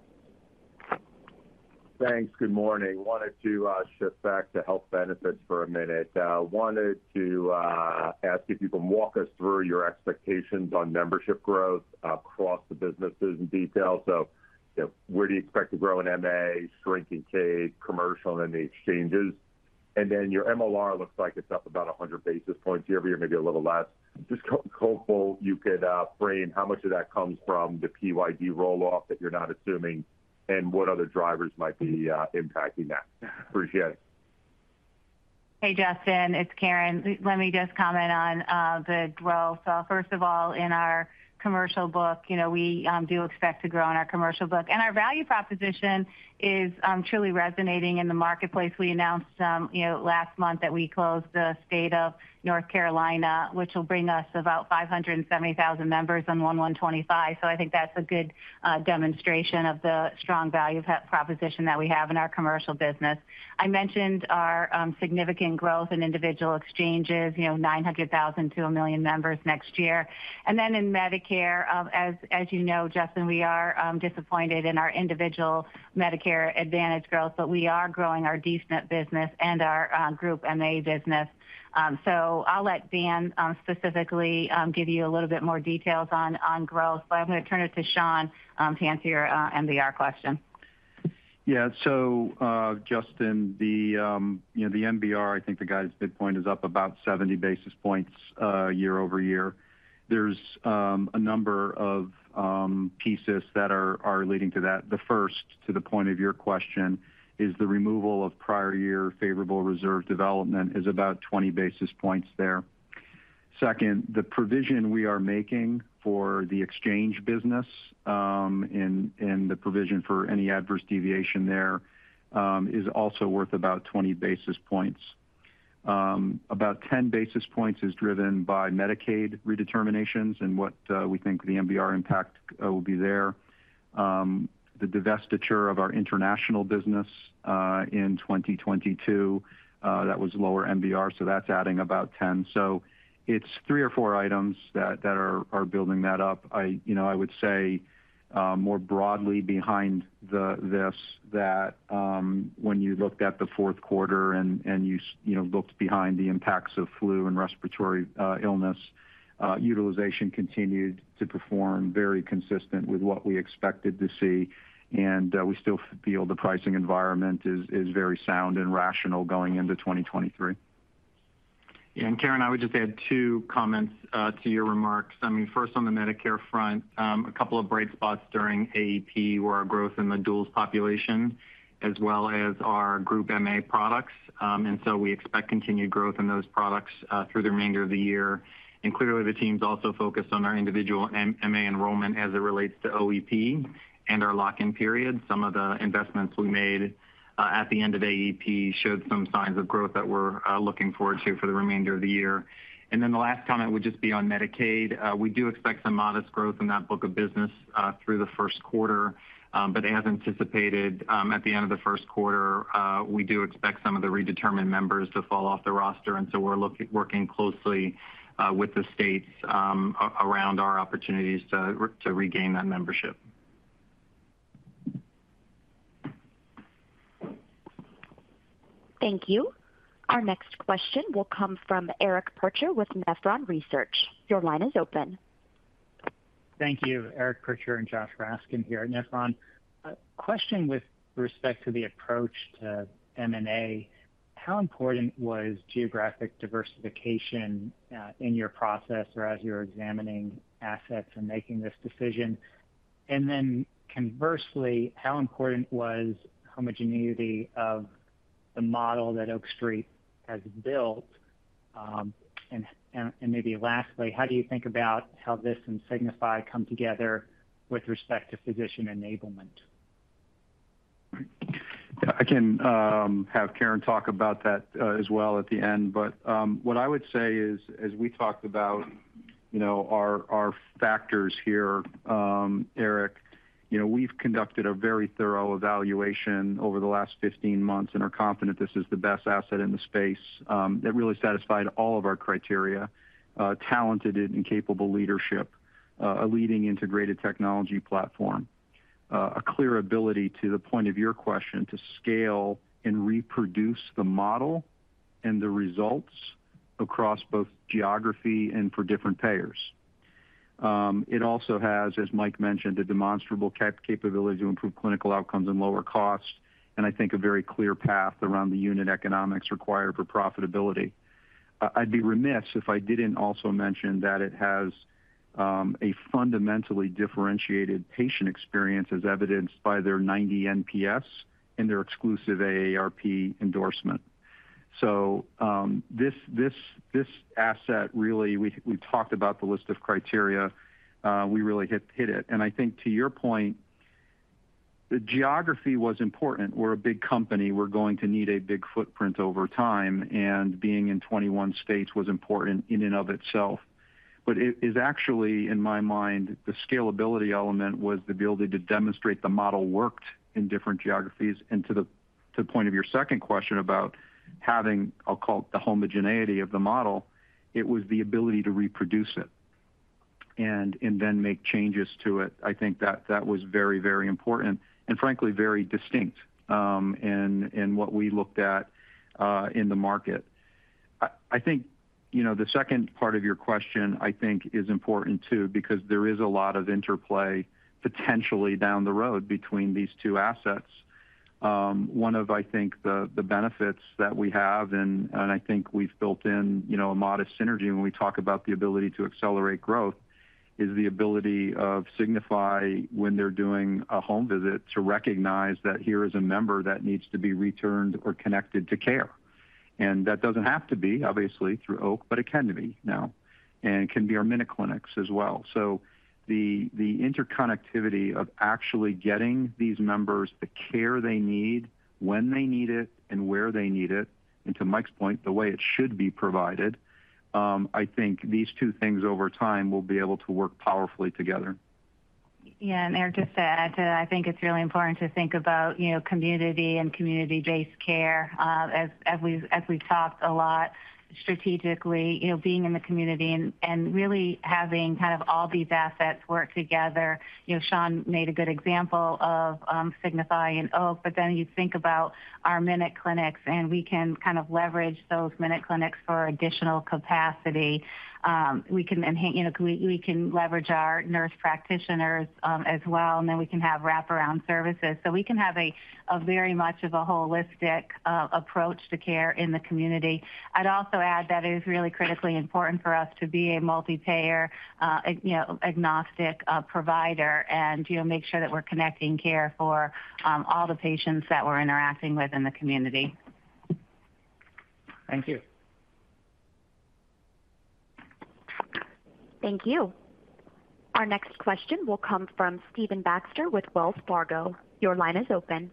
Thanks. Good morning. Wanted to shift back to health benefits for a minute. Wanted to ask if you can walk us through your expectations on membership growth across the businesses in detail. You know, where do you expect to grow in MA, Medicaid, commercial, and then the exchanges. Your MLR looks like it's up about 100 basis points year-over-year, maybe a little less. Just curious if you could frame how much of that comes from the PYD roll-off that you're not assuming, and what other drivers might be impacting that? Appreciate it. Hey, Justin, it's Karen. Let me just comment on the growth. First of all, in our commercial book, you know, we do expect to grow in our commercial book. Our value proposition is truly resonating in the marketplace. We announced, you know, last month that we closed the state of North Carolina, which will bring us about 570,000 members on 1/1/2025. I think that's a good demonstration of the strong value proposition that we have in our commercial business. I mentioned our significant growth in individual exchanges, you know, 900,000 to 1 million members next year. In Medicare, as you know, Justin, we are disappointed in our individual Medicare Advantage growth, but we are growing our D-SNP business and our group MA business. I'll let Dan, specifically, give you a little bit more details on growth, but I'm going to turn it to Shawn to answer your MBR question. Justin Lake, you know, the MBR, I think the guidance midpoint is up about 70 basis points year-over-year. There's a number of pieces that are leading to that. The first, to the point of your question, is the removal of prior year favorable reserve development is about 20 basis points there. The provision we are making for the exchange business, and the provision for any adverse deviation there, is also worth about 20 basis points. About 10 basis points is driven by Medicaid redeterminations and what we think the MBR impact will be there. The divestiture of our international business in 2022, that was lower MBR, that's adding about 10. It's three or four items that are building that up. I, you know, I would say, more broadly behind the, this, that, when you looked at the fourth quarter and you know, looked behind the impacts of flu and respiratory illness, utilization continued to perform very consistent with what we expected to see, and we still feel the pricing environment is very sound and rational going into 2023. Karen, I would just add two comments to your remarks. I mean, first on the Medicare front, a couple of bright spots during AEP were our growth in the duals population as well as our group MA products. We expect continued growth in those products through the remainder of the year. Clearly, the team's also focused on our individual MA enrollment as it relates to OEP and our lock-in period. Some of the investments we made at the end of AEP showed some signs of growth that we're looking forward to for the remainder of the year. The last comment would just be on Medicaid. We do expect some modest growth in that book of business through the first quarter. As anticipated, at the end of the first quarter, we do expect some of the redetermined members to fall off the roster, and so we're working closely with the states around our opportunities to regain that membership. Thank you. Our next question will come from Eric Percher with Nephron Research. Your line is open. Thank you. Eric Percher and Joshua Raskin here at Nephron. A question with respect to the approach to M&A. How important was geographic diversification in your process or as you were examining assets and making this decision? Conversely, how important was homogeneity of the model that Oak Street has built? Maybe lastly, how do you think about how this and Signify come together with respect to physician enablement? I can have Karen talk about that as well at the end. What I would say is, as we talked about, you know, our factors here, Eric, you know, we've conducted a very thorough evaluation over the last 15 months and are confident this is the best asset in the space that really satisfied all of our criteria, talented and capable leadership, a leading integrated technology platform, a clear ability to the point of your question to scale and reproduce the model and the results across both geography and for different payers. It also has, as Mike mentioned, a demonstrable capability to improve clinical outcomes and lower costs, and I think a very clear path around the unit economics required for profitability. I'd be remiss if I didn't also mention that it has a fundamentally differentiated patient experience as evidenced by their 90 NPS and their exclusive AARP endorsement. This asset really, we talked about the list of criteria, we really hit it. I think to your point, the geography was important. We're a big company. We're going to need a big footprint over time, and being in 21 states was important in and of itself. It is actually, in my mind, the scalability element was the ability to demonstrate the model worked in different geographies. To the, to the point of your second question about having, I'll call it the homogeneity of the model, it was the ability to reproduce it and then make changes to it. I think that was very, very important and frankly, very distinct, in what we looked at, in the market. I think, you know, the second part of your question I think is important too, because there is a lot of interplay potentially down the road between these two assets. One of, I think, the benefits that we have, and I think we've built in, you know, a modest synergy when we talk about the ability to accelerate growth, is the ability of Signify when they're doing a home visit to recognize that here is a member that needs to be returned or connected to care. That doesn't have to be obviously through Oak, but it can be now, and can be our MinuteClinics as well. The interconnectivity of actually getting these members the care they need, when they need it, and where they need it, and to Mike's point, the way it should be provided, I think these two things over time will be able to work powerfully together. Yeah. Eric just said, I think it's really important to think about, you know, community and community-based care, as we've talked a lot strategically. You know, being in the community and really having kind of all these assets work together. You know, Shawn Guertin made a good example of Signify and Oak, but then you think about our MinuteClinics, and we can kind of leverage those MinuteClinics for additional capacity. We can then, you know, we can leverage our nurse practitioners, as well, and then we can have wraparound services. We can have a very much of a holistic approach to care in the community. I'd also add that it is really critically important for us to be a multi-payer, you know, agnostic, provider and, you know, make sure that we're connecting care for, all the patients that we're interacting with in the community. Thank you. Thank you. Our next question will come from Stephen Baxter with Wells Fargo. Your line is open.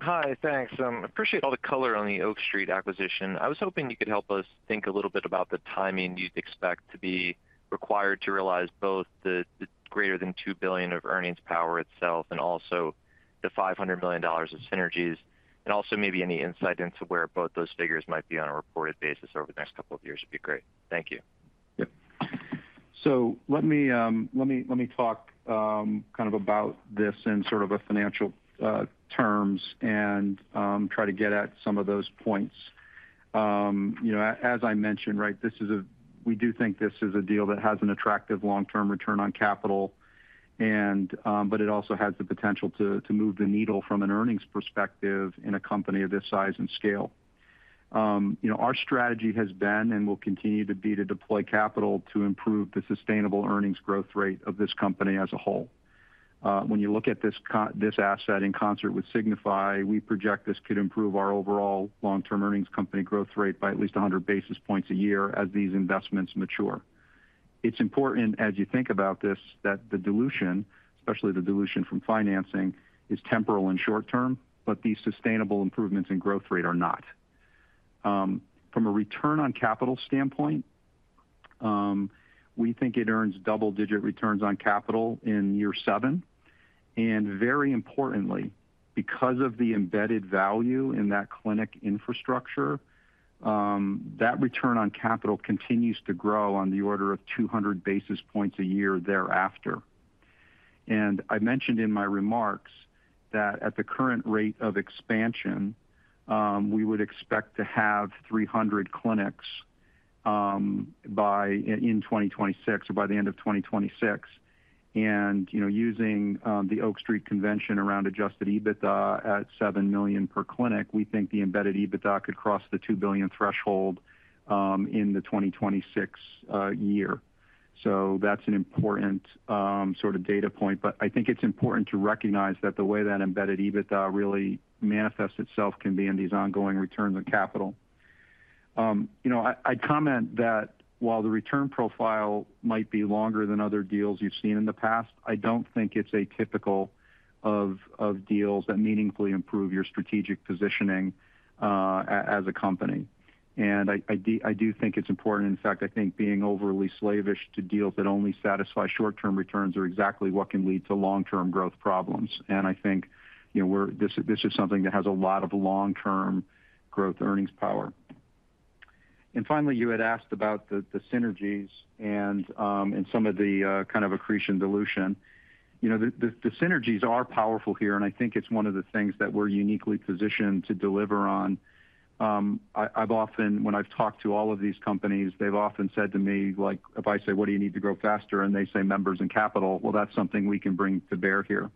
Hi. Thanks. appreciate all the color on the Oak Street Health acquisition. I was hoping you could help us think a little bit about the timing you'd expect to be required to realize both the greater than $2 billion of earnings power itself and also the $500 million of synergies. Also maybe any insight into where both those figures might be on a reported basis over the next couple of years would be great. Thank you. Yep. Let me talk kind of about this in sort of a financial terms and try to get at some of those points. You know, as I mentioned, right, this is a deal that has an attractive long-term return on capital and, but it also has the potential to move the needle from an earnings perspective in a company of this size and scale. You know, our strategy has been and will continue to be to deploy capital to improve the sustainable earnings growth rate of this company as a whole. When you look at this asset in concert with Signify, we project this could improve our overall long-term earnings company growth rate by at least 100 basis points a year as these investments mature. It's important as you think about this, that the dilution, especially the dilution from financing, is temporal and short term, but these sustainable improvements in growth rate are not. From a return on capital standpoint, we think it earns double-digit returns on capital in year seven. Very importantly, because of the embedded value in that clinic infrastructure, that return on capital continues to grow on the order of 200 basis points a year thereafter. I mentioned in my remarks that at the current rate of expansion, we would expect to have 300 clinics in 2026 or by the end of 2026. You know, using the Oak Street convention around adjusted EBITDA at $7 million per clinic, we think the embedded EBITDA could cross the $2 billion threshold in the 2026 year. That's an important sort of data point. I think it's important to recognize that the way that embedded EBITDA really manifests itself can be in these ongoing returns on capital. You know, I'd comment that while the return profile might be longer than other deals you've seen in the past, I don't think it's atypical of deals that meaningfully improve your strategic positioning as a company. I do think it's important. In fact, I think being overly slavish to deals that only satisfy short-term returns are exactly what can lead to long-term growth problems. I think, you know, this is something that has a lot of long-term growth earnings power. Finally, you had asked about the synergies and some of the kind of accretion dilution. You know, the synergies are powerful here. I think it's one of the things that we're uniquely positioned to deliver on. I've often when I've talked to all of these companies, they've often said to me, like if I say, "What do you need to grow faster?" And they say, "Members and capital." Well, that's something we can bring to bear here.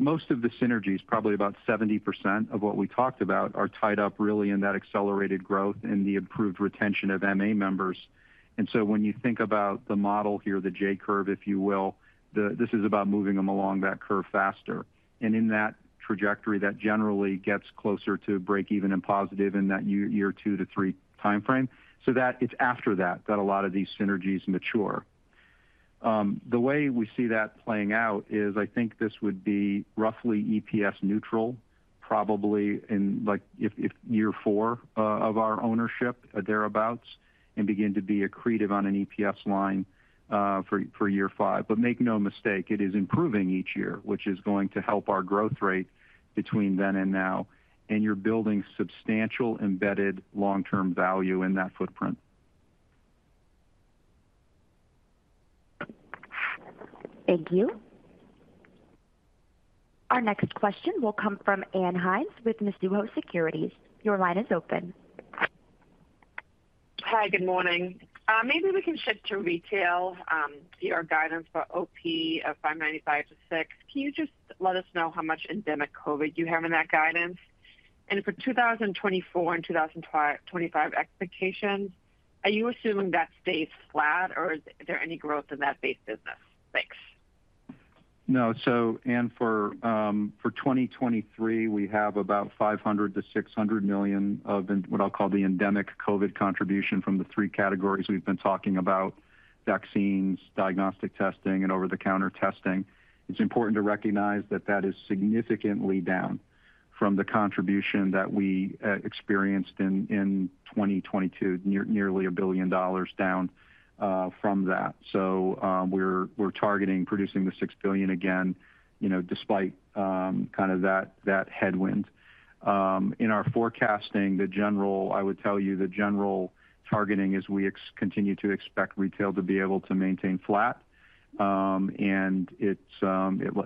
Most of the synergies, probably about 70% of what we talked about, are tied up really in that accelerated growth and the improved retention of MA members. When you think about the model here, the J curve, if you will, this is about moving them along that curve faster. In that trajectory, that generally gets closer to break even and positive in that year two to three timeframe. It's after that a lot of these synergies mature. The way we see that playing out is I think this would be roughly EPS neutral, probably in like year four of our ownership or thereabout, and begin to be accretive on an EPS line for year five. Make no mistake, it is improving each year, which is going to help our growth rate between then and now. You're building substantial embedded long-term value in that footprint. Thank you. Our next question will come from Ann Hynes with Mizuho Securities. Your line is open. Hi. Good morning. Maybe we can shift to retail, see our guidance for OP of $5.95 billion to $6 billion. Can you just let us know how much endemic COVID you have in that guidance? For 2024 and 2025 expectations, are you assuming that stays flat, or is there any growth in that base business? Thanks. No. For 2023, we have about $500 million-$600 million of in what I'll call the endemic COVID contribution from the three categories we've been talking about, vaccines, diagnostic testing and over-the-counter testing. It's important to recognize that that is significantly down from the contribution that we experienced in 2022. Nearly $1 billion down from that. We're targeting producing the $6 billion again, you know, despite kind of that headwind. In our forecasting, I would tell you the general targeting is we continue to expect retail to be able to maintain flat. It's,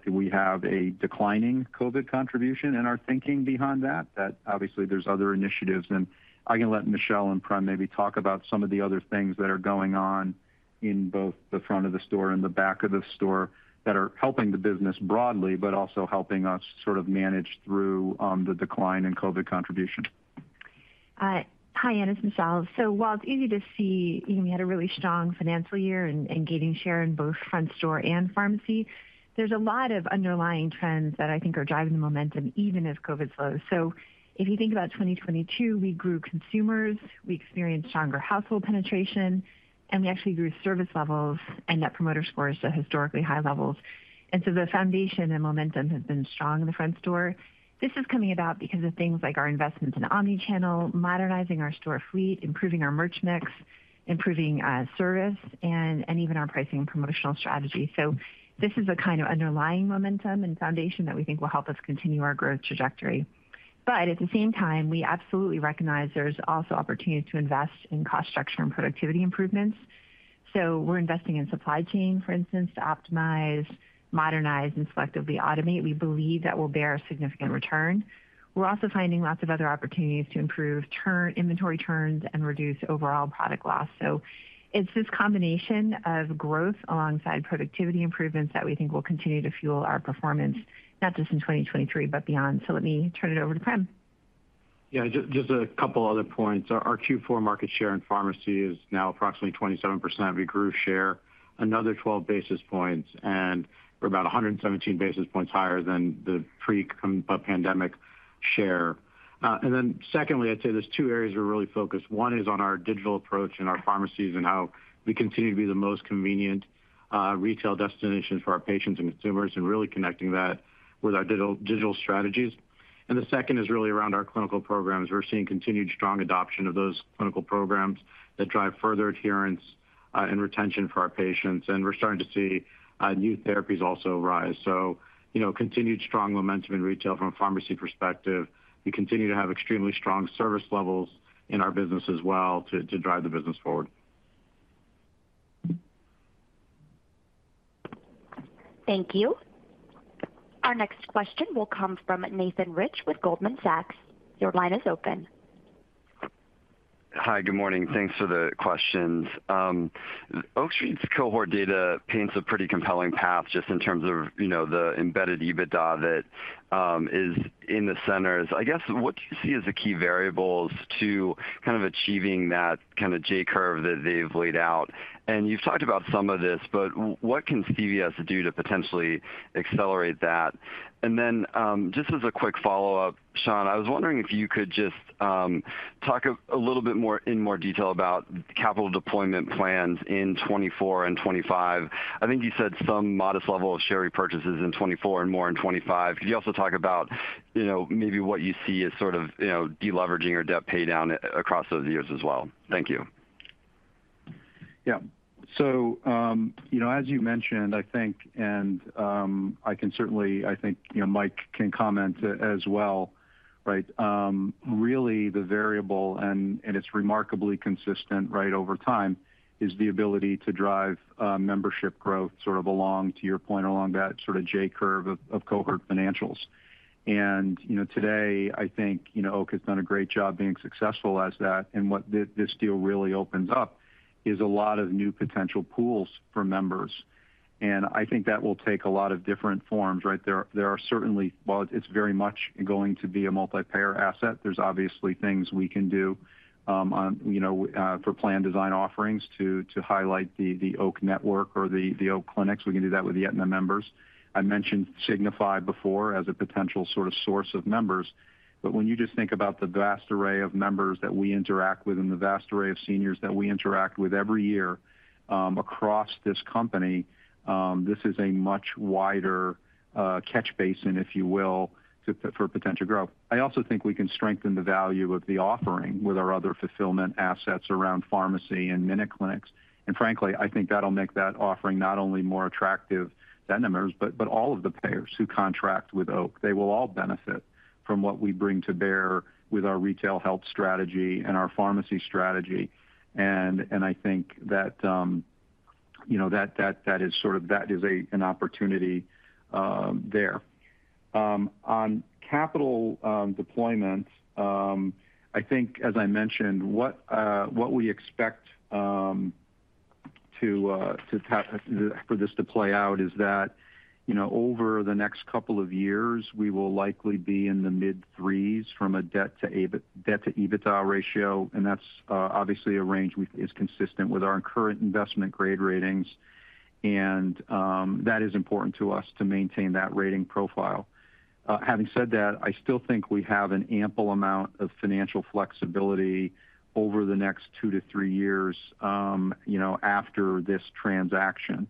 we have a declining COVID contribution in our thinking behind that obviously there's other initiatives. I can let Michelle and Prem maybe talk about some of the other things that are going on in both the front of the store and the back of the store that are helping the business broadly, but also helping us sort of manage through the decline in COVID contribution. Hi, Ann. It's Michelle. While it's easy to see, you know, we had a really strong financial year in gaining share in both front store and pharmacy, there's a lot of underlying trends that I think are driving the momentum even as COVID slows. If you think about 2022, we grew consumers, we experienced stronger household penetration, and we actually grew service levels and Net Promoter Scores to historically high levels. The foundation and momentum has been strong in the front store. This is coming about because of things like our investments in omnichannel, modernizing our store fleet, improving our merch mix, improving service and even our pricing and promotional strategy. This is a kind of underlying momentum and foundation that we think will help us continue our growth trajectory. At the same time, we absolutely recognize there's also opportunity to invest in cost structure and productivity improvements. We're investing in supply chain, for instance, to optimize, modernize, and selectively automate. We believe that will bear a significant return. We're also finding lots of other opportunities to improve inventory turns and reduce overall product loss. It's this combination of growth alongside productivity improvements that we think will continue to fuel our performance, not just in 2023, but beyond. Let me turn it over to Prem. just a couple other points. Our Q4 market share in pharmacy is now approximately 27%. We grew share another 12 basis points, and we're about 117 basis points higher than the pre-pandemic share. secondly, I'd say there's two areas we're really focused. One is on our digital approach in our pharmacies and how we continue to be the most convenient retail destination for our patients and consumers, and really connecting that with our digital strategies. The second is really around our clinical programs. We're seeing continued strong adoption of those clinical programs that drive further adherence and retention for our patients. We're starting to see new therapies also rise. you know, continued strong momentum in retail from a pharmacy perspective. We continue to have extremely strong service levels in our business as well to drive the business forward. Thank you. Our next question will come from Nathan Rich with Goldman Sachs. Your line is open. Hi. Good morning. Thanks for the questions. Oak Street's cohort data paints a pretty compelling path just in terms of, you know, the embedded EBITDA that is in the centers. I guess, what do you see as the key variables to kind of achieving that kind of J curve that they've laid out? You've talked about some of this, but what can CVS do to potentially accelerate that? Just as a quick follow-up, Shawn, I was wondering if you could just talk a little bit more in more detail about capital deployment plans in 2024 and 2025. I think you said some modest level of share repurchases in 2024 and more in 2025. Could you also talk about, you know, maybe what you see as sort of, you know, deleveraging or debt pay down across those years as well? Thank you. Yeah. You know, as you mentioned, I think, and I can certainly... I think, you know, Mike can comment as well, right? Really the variable, and it's remarkably consistent right over time, is the ability to drive membership growth sort of along, to your point, along that sort of J curve of cohort financials. You know, today I think, you know, Oak has done a great job being successful as that. What this deal really opens up is a lot of new potential pools for members. I think that will take a lot of different forms, right? There are certainly While it's very much going to be a multi-payer asset, there's obviously things we can do on, you know, for plan design offerings to highlight the Oak network or the Oak clinics. We can do that with the Aetna members. I mentioned Signify before as a potential sort of source of members. When you just think about the vast array of members that we interact with and the vast array of seniors that we interact with every year, across this company, this is a much wider catch basin, if you will, for potential growth. I also think we can strengthen the value of the offering with our other fulfillment assets around pharmacy and MinuteClinics. Frankly, I think that'll make that offering not only more attractive to Aetna members, but all of the payers who contract with Oak. They will all benefit from what we bring to bear with our retail health strategy and our pharmacy strategy. I think that, you know, that is an opportunity there. On capital deployment, I think as I mentioned, what we expect to for this to play out is that, you know, over the next couple of years, we will likely be in the mid 3s from a debt to EBITDA ratio. That's obviously a range is consistent with our current investment grade ratings, and that is important to us to maintain that rating profile. Having said that, I still think we have an ample amount of financial flexibility over the next two to three years, you know, after this transaction.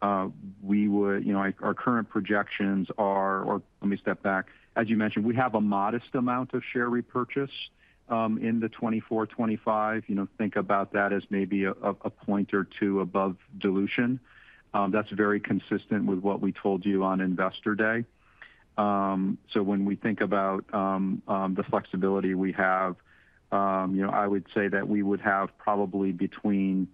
You know, our current projections are. Or let me step back. As you mentioned, we have a modest amount of share repurchase in the 2024, 2025. You know, think about that as maybe a point or two above dilution. That's very consistent with what we told you on Investor Day. When we think about the flexibility we have, you know, I would say that we would have probably between,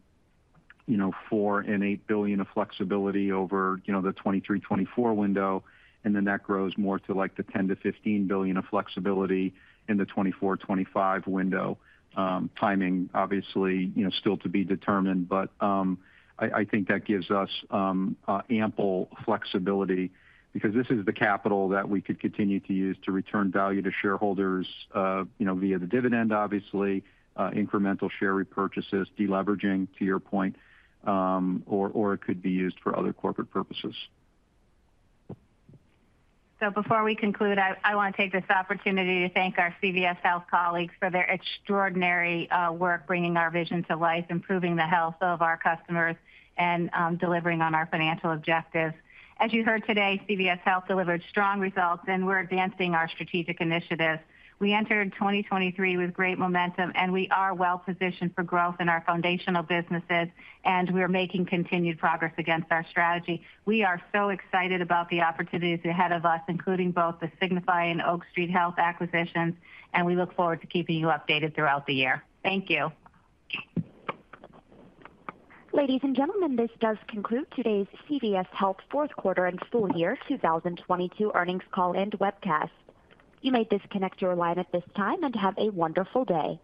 you know, $4 billion and $8 billion of flexibility over, you know, the 2023, 2024 window, and then that grows more to, like, the $10 billion-$15 billion of flexibility in the 2024, 2025 window. Timing obviously, you know, still to be determined, but, I think that gives us ample flexibility because this is the capital that we could continue to use to return value to shareholders, you know, via the dividend, obviously, incremental share repurchases, de-leveraging, to your point, or it could be used for other corporate purposes. Before we conclude, I want to take this opportunity to thank our CVS Health colleagues for their extraordinary work bringing our vision to life, improving the health of our customers, and delivering on our financial objectives. As you heard today, CVS Health delivered strong results. We're advancing our strategic initiatives. We entered 2023 with great momentum. We are well-positioned for growth in our foundational businesses. We're making continued progress against our strategy. We are so excited about the opportunities ahead of us, including both the Signify and Oak Street Health acquisitions. We look forward to keeping you updated throughout the year. Thank you. Ladies and gentlemen, this does conclude today's CVS Health fourth quarter and full year 2022 earnings call and webcast. You may disconnect your line at this time and have a wonderful day.